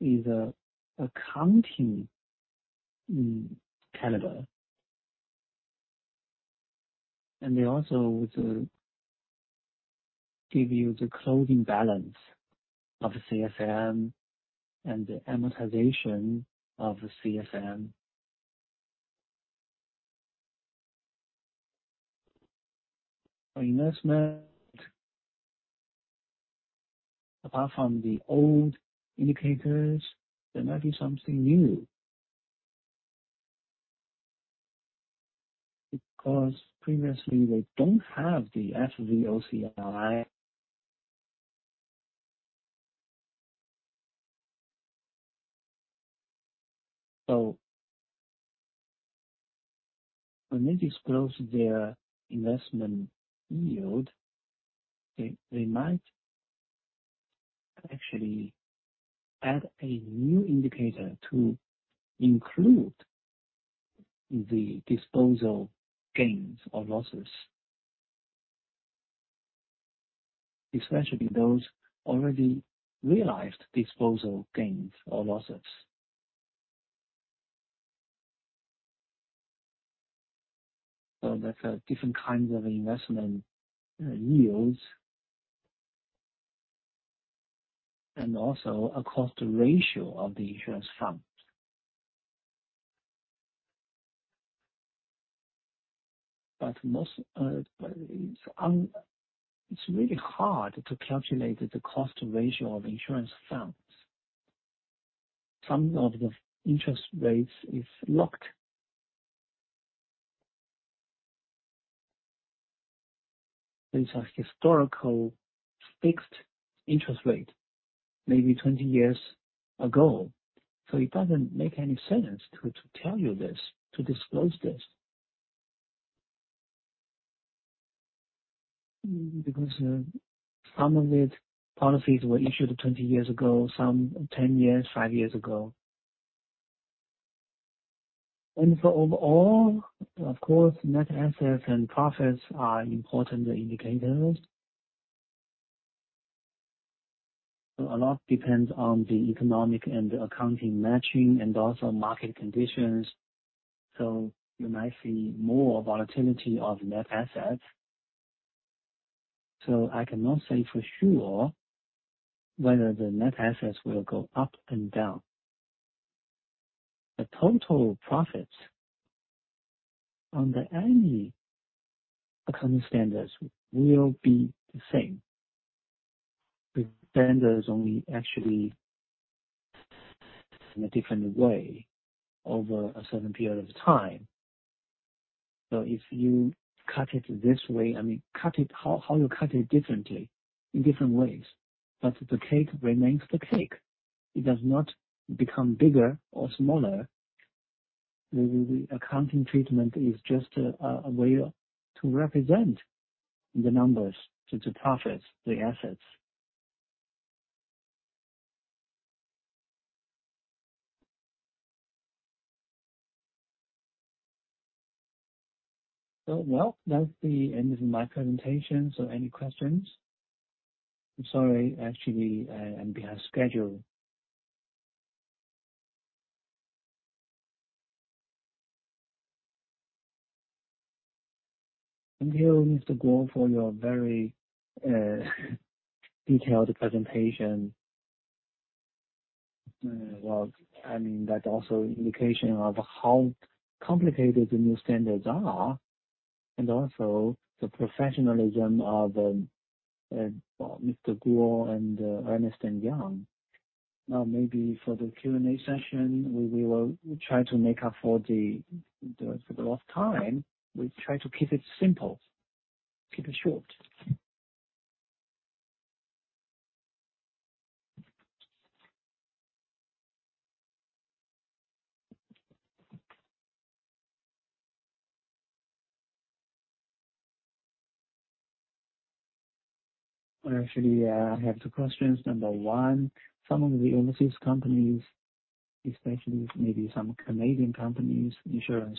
is a accounting caliber. They also give you the closing balance of CSM and the amortization of CSM. For investment, apart from the old indicators, there might be something new. Previously, they don't have the FVOCI. When they disclose their investment yield, they might actually add a new indicator to include the disposal gains or losses. Especially those already realized disposal gains or losses. There's different kinds of investment yields. Also, a cost ratio of the insurance fund. Most, it's really hard to calculate the cost ratio of insurance funds. Some of the interest rates is locked. It's a historical fixed interest rate, maybe 20 years ago. It doesn't make any sense to tell you this, to disclose this. Because some of these policies were issued 20 years ago, some 10 years, five years ago. Overall, of course, net assets and profits are important indicators. A lot depends on the economic and accounting matching, and also market conditions. You might see more volatility of net assets. I cannot say for sure whether the net assets will go up and down. The total profits under any accounting standards will be the same, there's only actually in a different way over a certain period of time. If you cut it this way, I mean, cut it how you cut it differently in different ways, but the cake remains the cake. It does not become bigger or smaller. The accounting treatment is just a way to represent the numbers, the profits, the assets. Well, that's the end of my presentation. Any questions? I'm sorry. Actually, I am behind schedule. Thank you, Mr. Guo, for your very detailed presentation. Well, I mean, that's also an indication of how complicated the new standards are and also the professionalism of Mr. Guo and Ernst & Young. Maybe for the Q&A session, we will try to make up for the lost time. We try to keep it simple, keep it short. Well, actually, I have two questions. Number one, some of the overseas companies, especially maybe some Canadian companies, insurance,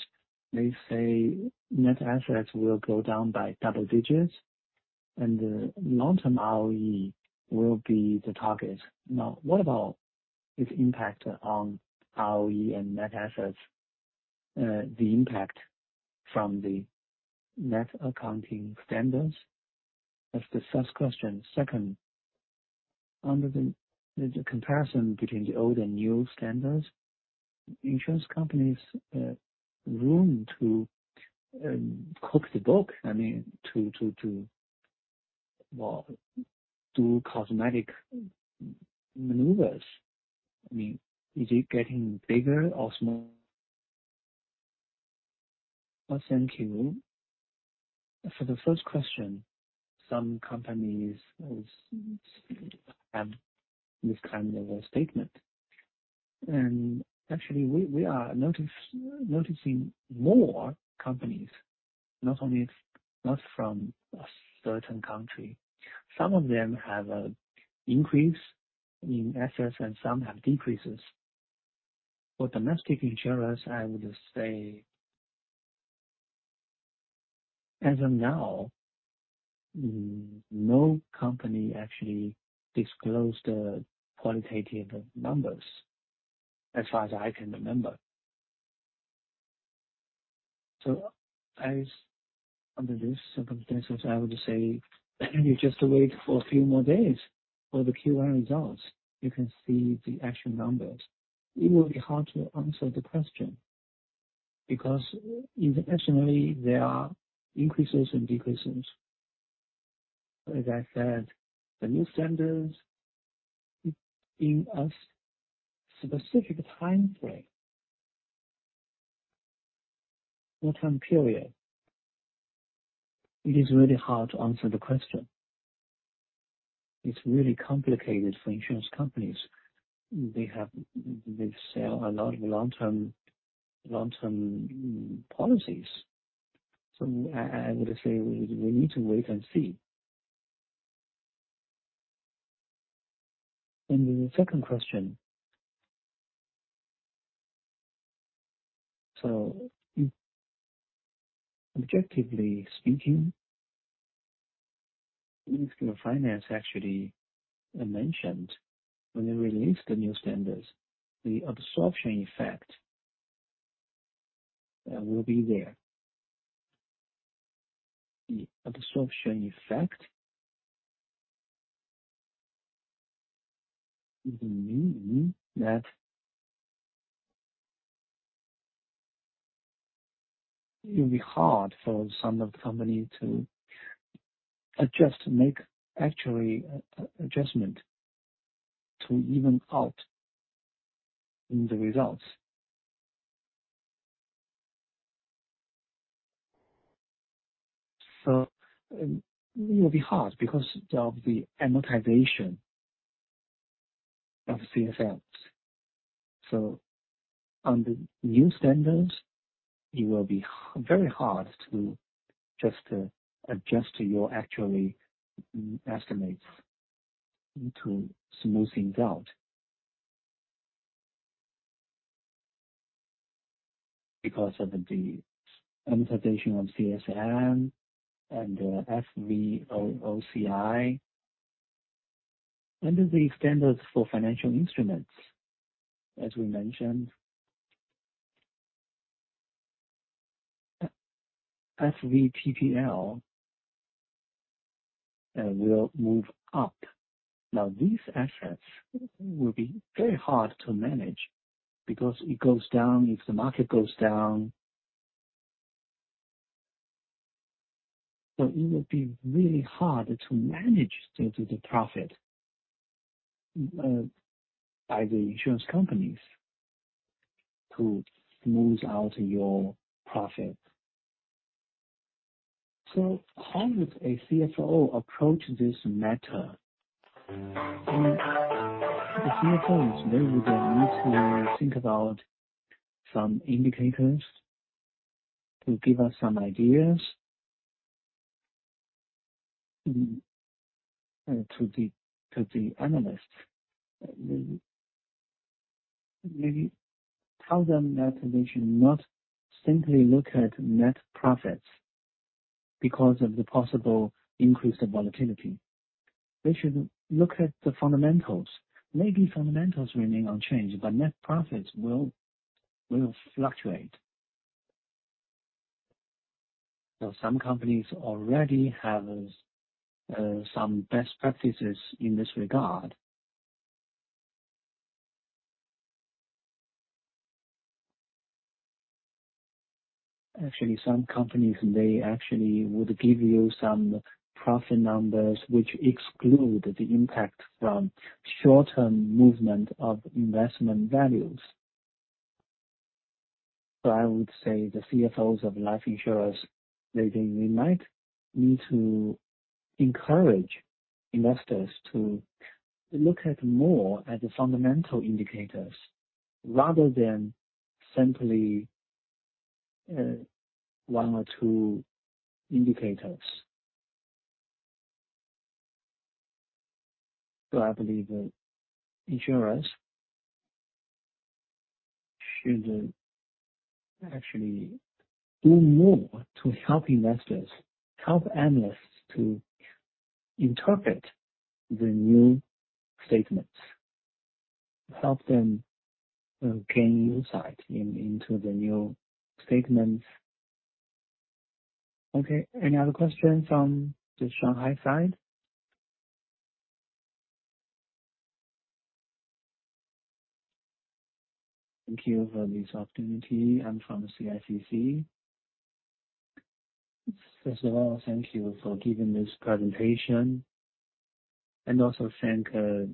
they say net assets will go down by double digits and the long-term ROE will be the target. What about its impact on ROE and net assets, the impact from the net accounting standards? That's the first question. Second, under the comparison between the old and new standards, insurance companies, room to cook the book, I mean, do cosmetic maneuvers. I mean, is it getting bigger or smaller? Well, thank you. For the first question, some companies have this kind of a statement. Actually we are noticing more companies, not only-- not from a certain country. Some of them have increase in assets and some have decreases. For domestic insurers, I would say, as of now, no company actually disclosed the qualitative numbers as far as I can remember. As under this circumstances, I would say, maybe just wait for a few more days for the Q1 results. You can see the actual numbers. It will be hard to answer the question because internationally there are increases and decreases. As I said, the new standards in a specific timeframe or time period, it is really hard to answer the question. It's really complicated for insurance companies. They sell a lot of long-term policies. I would say, we need to wait and see. The second question. Objectively speaking, Ministry of Finance actually mentioned when they released the new standards, the absorption effect will be there. The absorption effect means that it will be hard for some of the company to adjust, to make actually an adjustment to even out in the results. It will be hard because of the amortization of the CSM. Under the new standards, it will be very hard to just adjust your actually estimates to smooth things out because of the amortization of CSM and FVOCI. Under the standards for financial instruments, as we mentioned, FVTPL will move up. These assets will be very hard to manage because it goes down if the market goes down. It will be really hard to manage the profit by the insurance companies to smooth out your profit. How would a CFO approach this matter? The CFO is maybe they need to think about some indicators to give us some ideas to the analyst, maybe tell them that they should not simply look at net profits because of the possible increase of volatility. They should look at the fundamentals. Maybe fundamentals remain unchanged, but net profits will fluctuate. Some companies already have some best practices in this regard. Actually, some companies, they actually would give you some profit numbers which exclude the impact from short-term movement of investment values. I would say the CFOs of life insurers, maybe they might need to encourage investors to look at more at the fundamental indicators rather than simply one or two indicators. I believe that insurers should actually do more to help investors, help analysts to interpret the new statements, help them gain insight into the new statements. Okay, any other questions from the Shanghai side? Thank you for this opportunity. I'm from the CICC. First of all, thank you for giving this presentation and also thank Mr.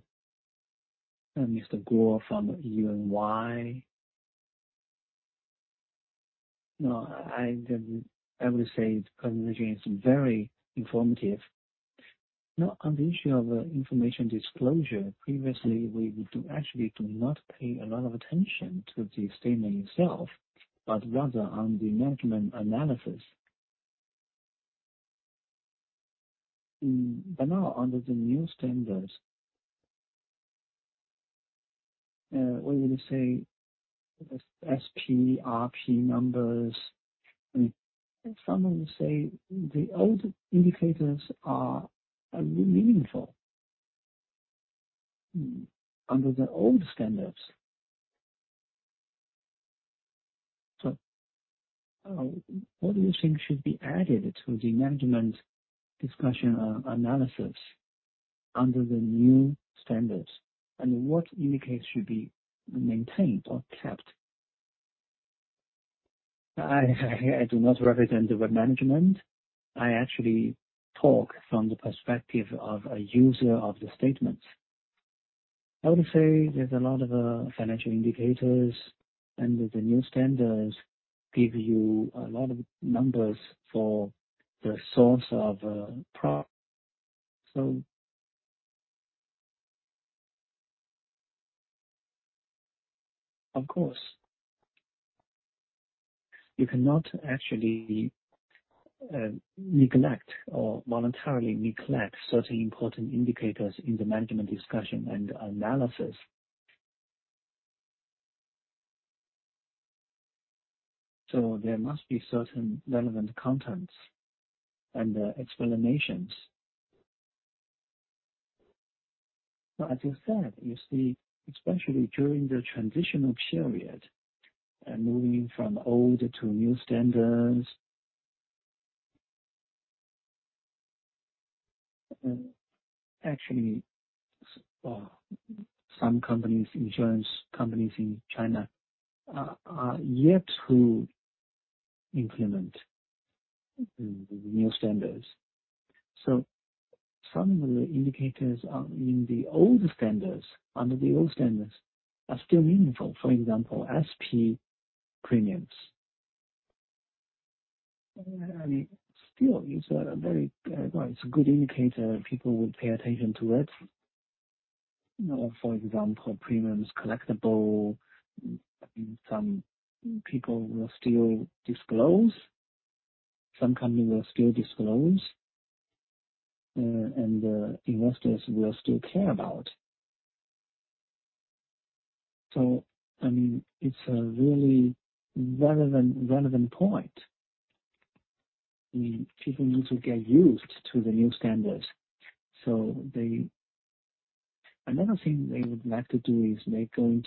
Guo from E&Y. No, I would say presentation is very informative. Now, on the issue of information disclosure, previously, we would do... actually do not pay a lot of attention to the statement itself, but rather on the management analysis. Now under the new standards, we would say the SPRP numbers, and some would say the old indicators are meaningful under the old standards. What do you think should be added to the management discussion and analysis under the new standards, and what indicators should be maintained or kept? I do not represent the management. I actually talk from the perspective of a user of the statements. I would say there's a lot of financial indicators, and the new standards give you a lot of numbers for the source of pro. Of course, you cannot actually neglect or voluntarily neglect certain important indicators in the management discussion and analysis. There must be certain relevant contents and explanations. As you said, you see, especially during the transitional period and moving from old to new standards, actually, some companies, insurance companies in China are yet to implement the new standards. Some of the indicators are in the old standards, under the old standards are still meaningful. For example, SP premiums. I mean, still is a very, well, it's a good indicator, people would pay attention to it. You know, for example, premiums collectible, some people will still disclose, some companies will still disclose, and investors will still care about. I mean, it's a really relevant point. I mean, people need to get used to the new standards, so they. Another thing they would like to do is they're going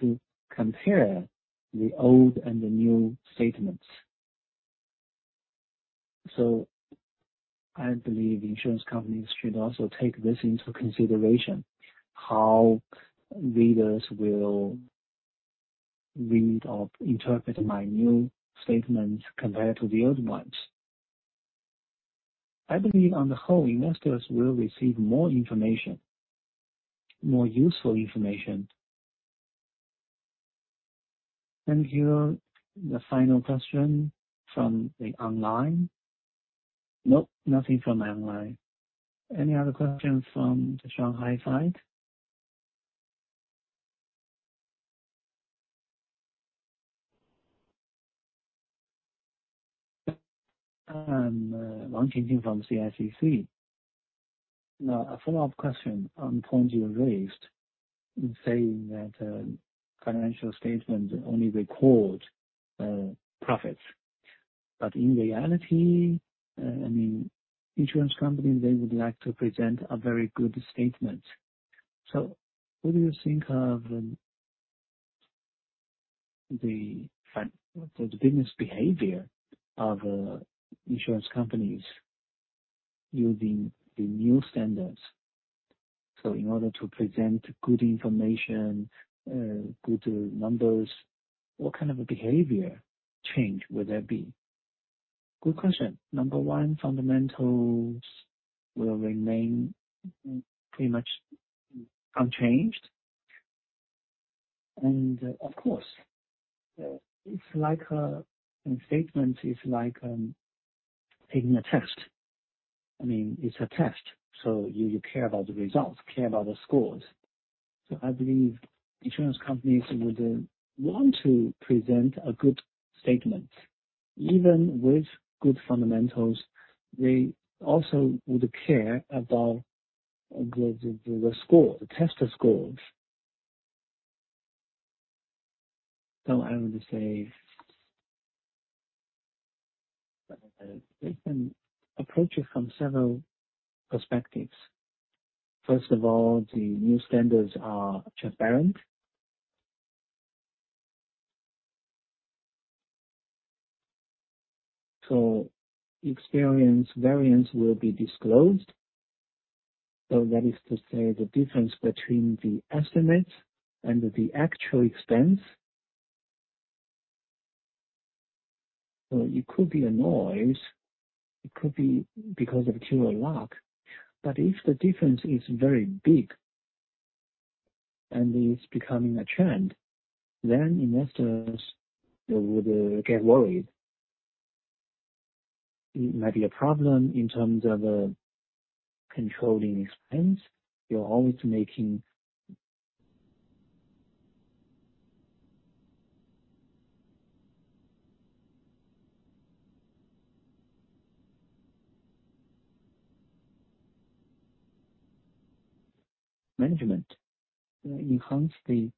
to compare the old and the new statements. I believe insurance companies should also take this into consideration, how readers will read or interpret my new statements compared to the old ones. I believe on the whole, investors will receive more information, more useful information. Thank you. The final question from the online. Nope, nothing from online. Any other questions from the Shanghai side? I'm Wang Qing from CICC. A follow-up question on point you raised in saying that financial statements only record profits. I mean, insurance companies, they would like to present a very good statement. What do you think of the business behavior of insurance companies using the new standards? In order to present good information, good numbers, what kind of a behavior change would there be? Good question. Number one, fundamentals will remain pretty much unchanged. Of course, it's like, a statement is like, taking a test. I mean, it's a test, so you care about the results, care about the scores. I believe insurance companies would want to present a good statement. Even with good fundamentals, they also would care about the, the score, the test scores. I would say, they can approach it from several perspectives. First of all, the new standards are transparent. Experience variance will be disclosed. That is to say, the difference between the estimate and the actual expense. It could be a noise, it could be because of pure luck. If the difference is very big and is becoming a trend, then investors would get worried. It might be a problem in terms of, controlling expense. You are always making... Management enhance the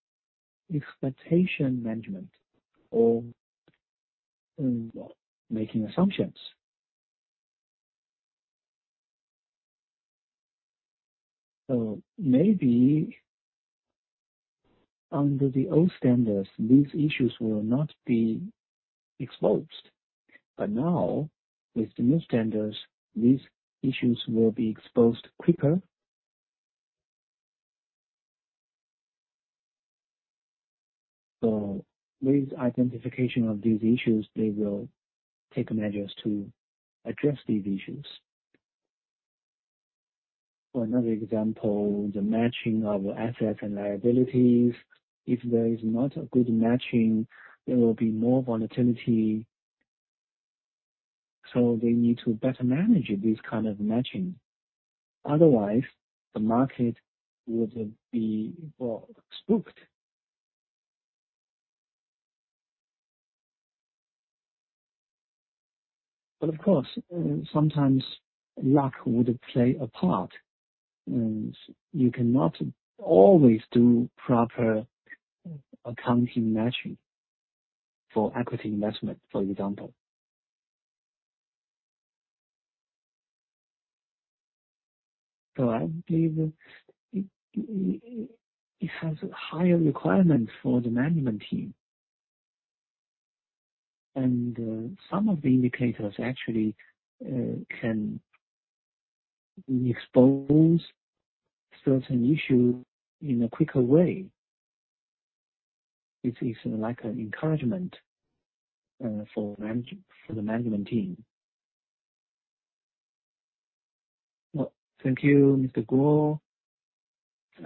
expectation management or making assumptions. Maybe under the old standards, these issues will not be exposed. Now, with the new standards, these issues will be exposed quicker. With identification of these issues, they will take measures to address these issues. For another example, the matching of assets and liabilities. If there is not a good matching, there will be more volatility, so they need to better manage this kind of matching. Otherwise, the market would be, well, spooked. Of course, sometimes luck would play a part. You cannot always do proper accounting matching for equity investment, for example. I believe it has higher requirements for the management team. Some of the indicators actually can expose certain issue in a quicker way. It is like an encouragement for the management team. Well, thank you, Mr. Guo.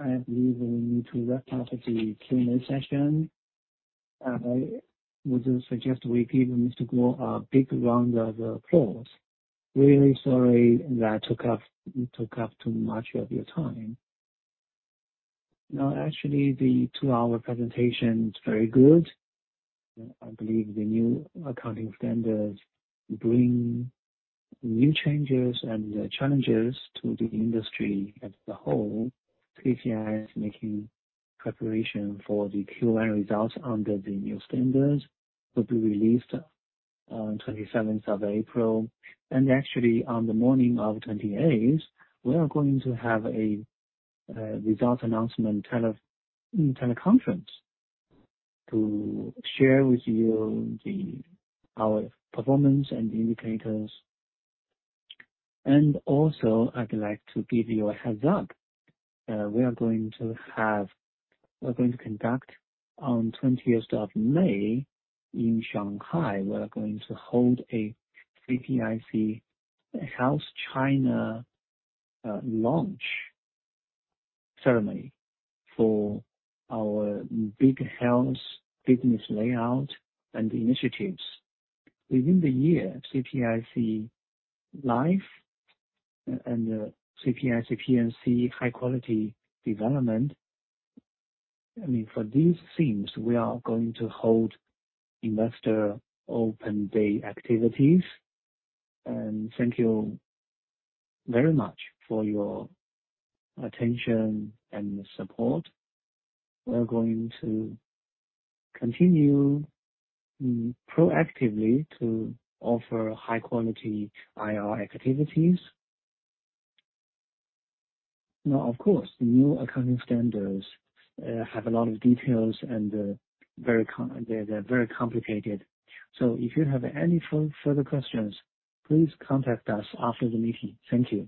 I believe we need to wrap up the Q&A session. I would suggest we give Mr. Guo a big round of applause. Really sorry that took up too much of your time. Actually, the two-hour presentation is very good. I believe the new accounting standards bring new changes and challenges to the industry as the whole. CPIC is making preparation for the Q1 results under the new standards, will be released on 27th of April. Actually, on the morning of 28th, we are going to have a result announcement teleconference to share with you our performance and indicators. Also, I'd like to give you a heads-up. We're going to conduct on 20th of May in Shanghai. We are going to hold a CPIC House China launch ceremony for our big health business layout and initiatives. Within the year, CPIC Life and CPIC P&C high quality development. I mean, for these things, we are going to hold investor open day activities. Thank you very much for your attention and support. We are going to continue proactively to offer high-quality IR activities. Of course, the new accounting standards have a lot of details and are very complicated. If you have any further questions, please contact us after the meeting. Thank you.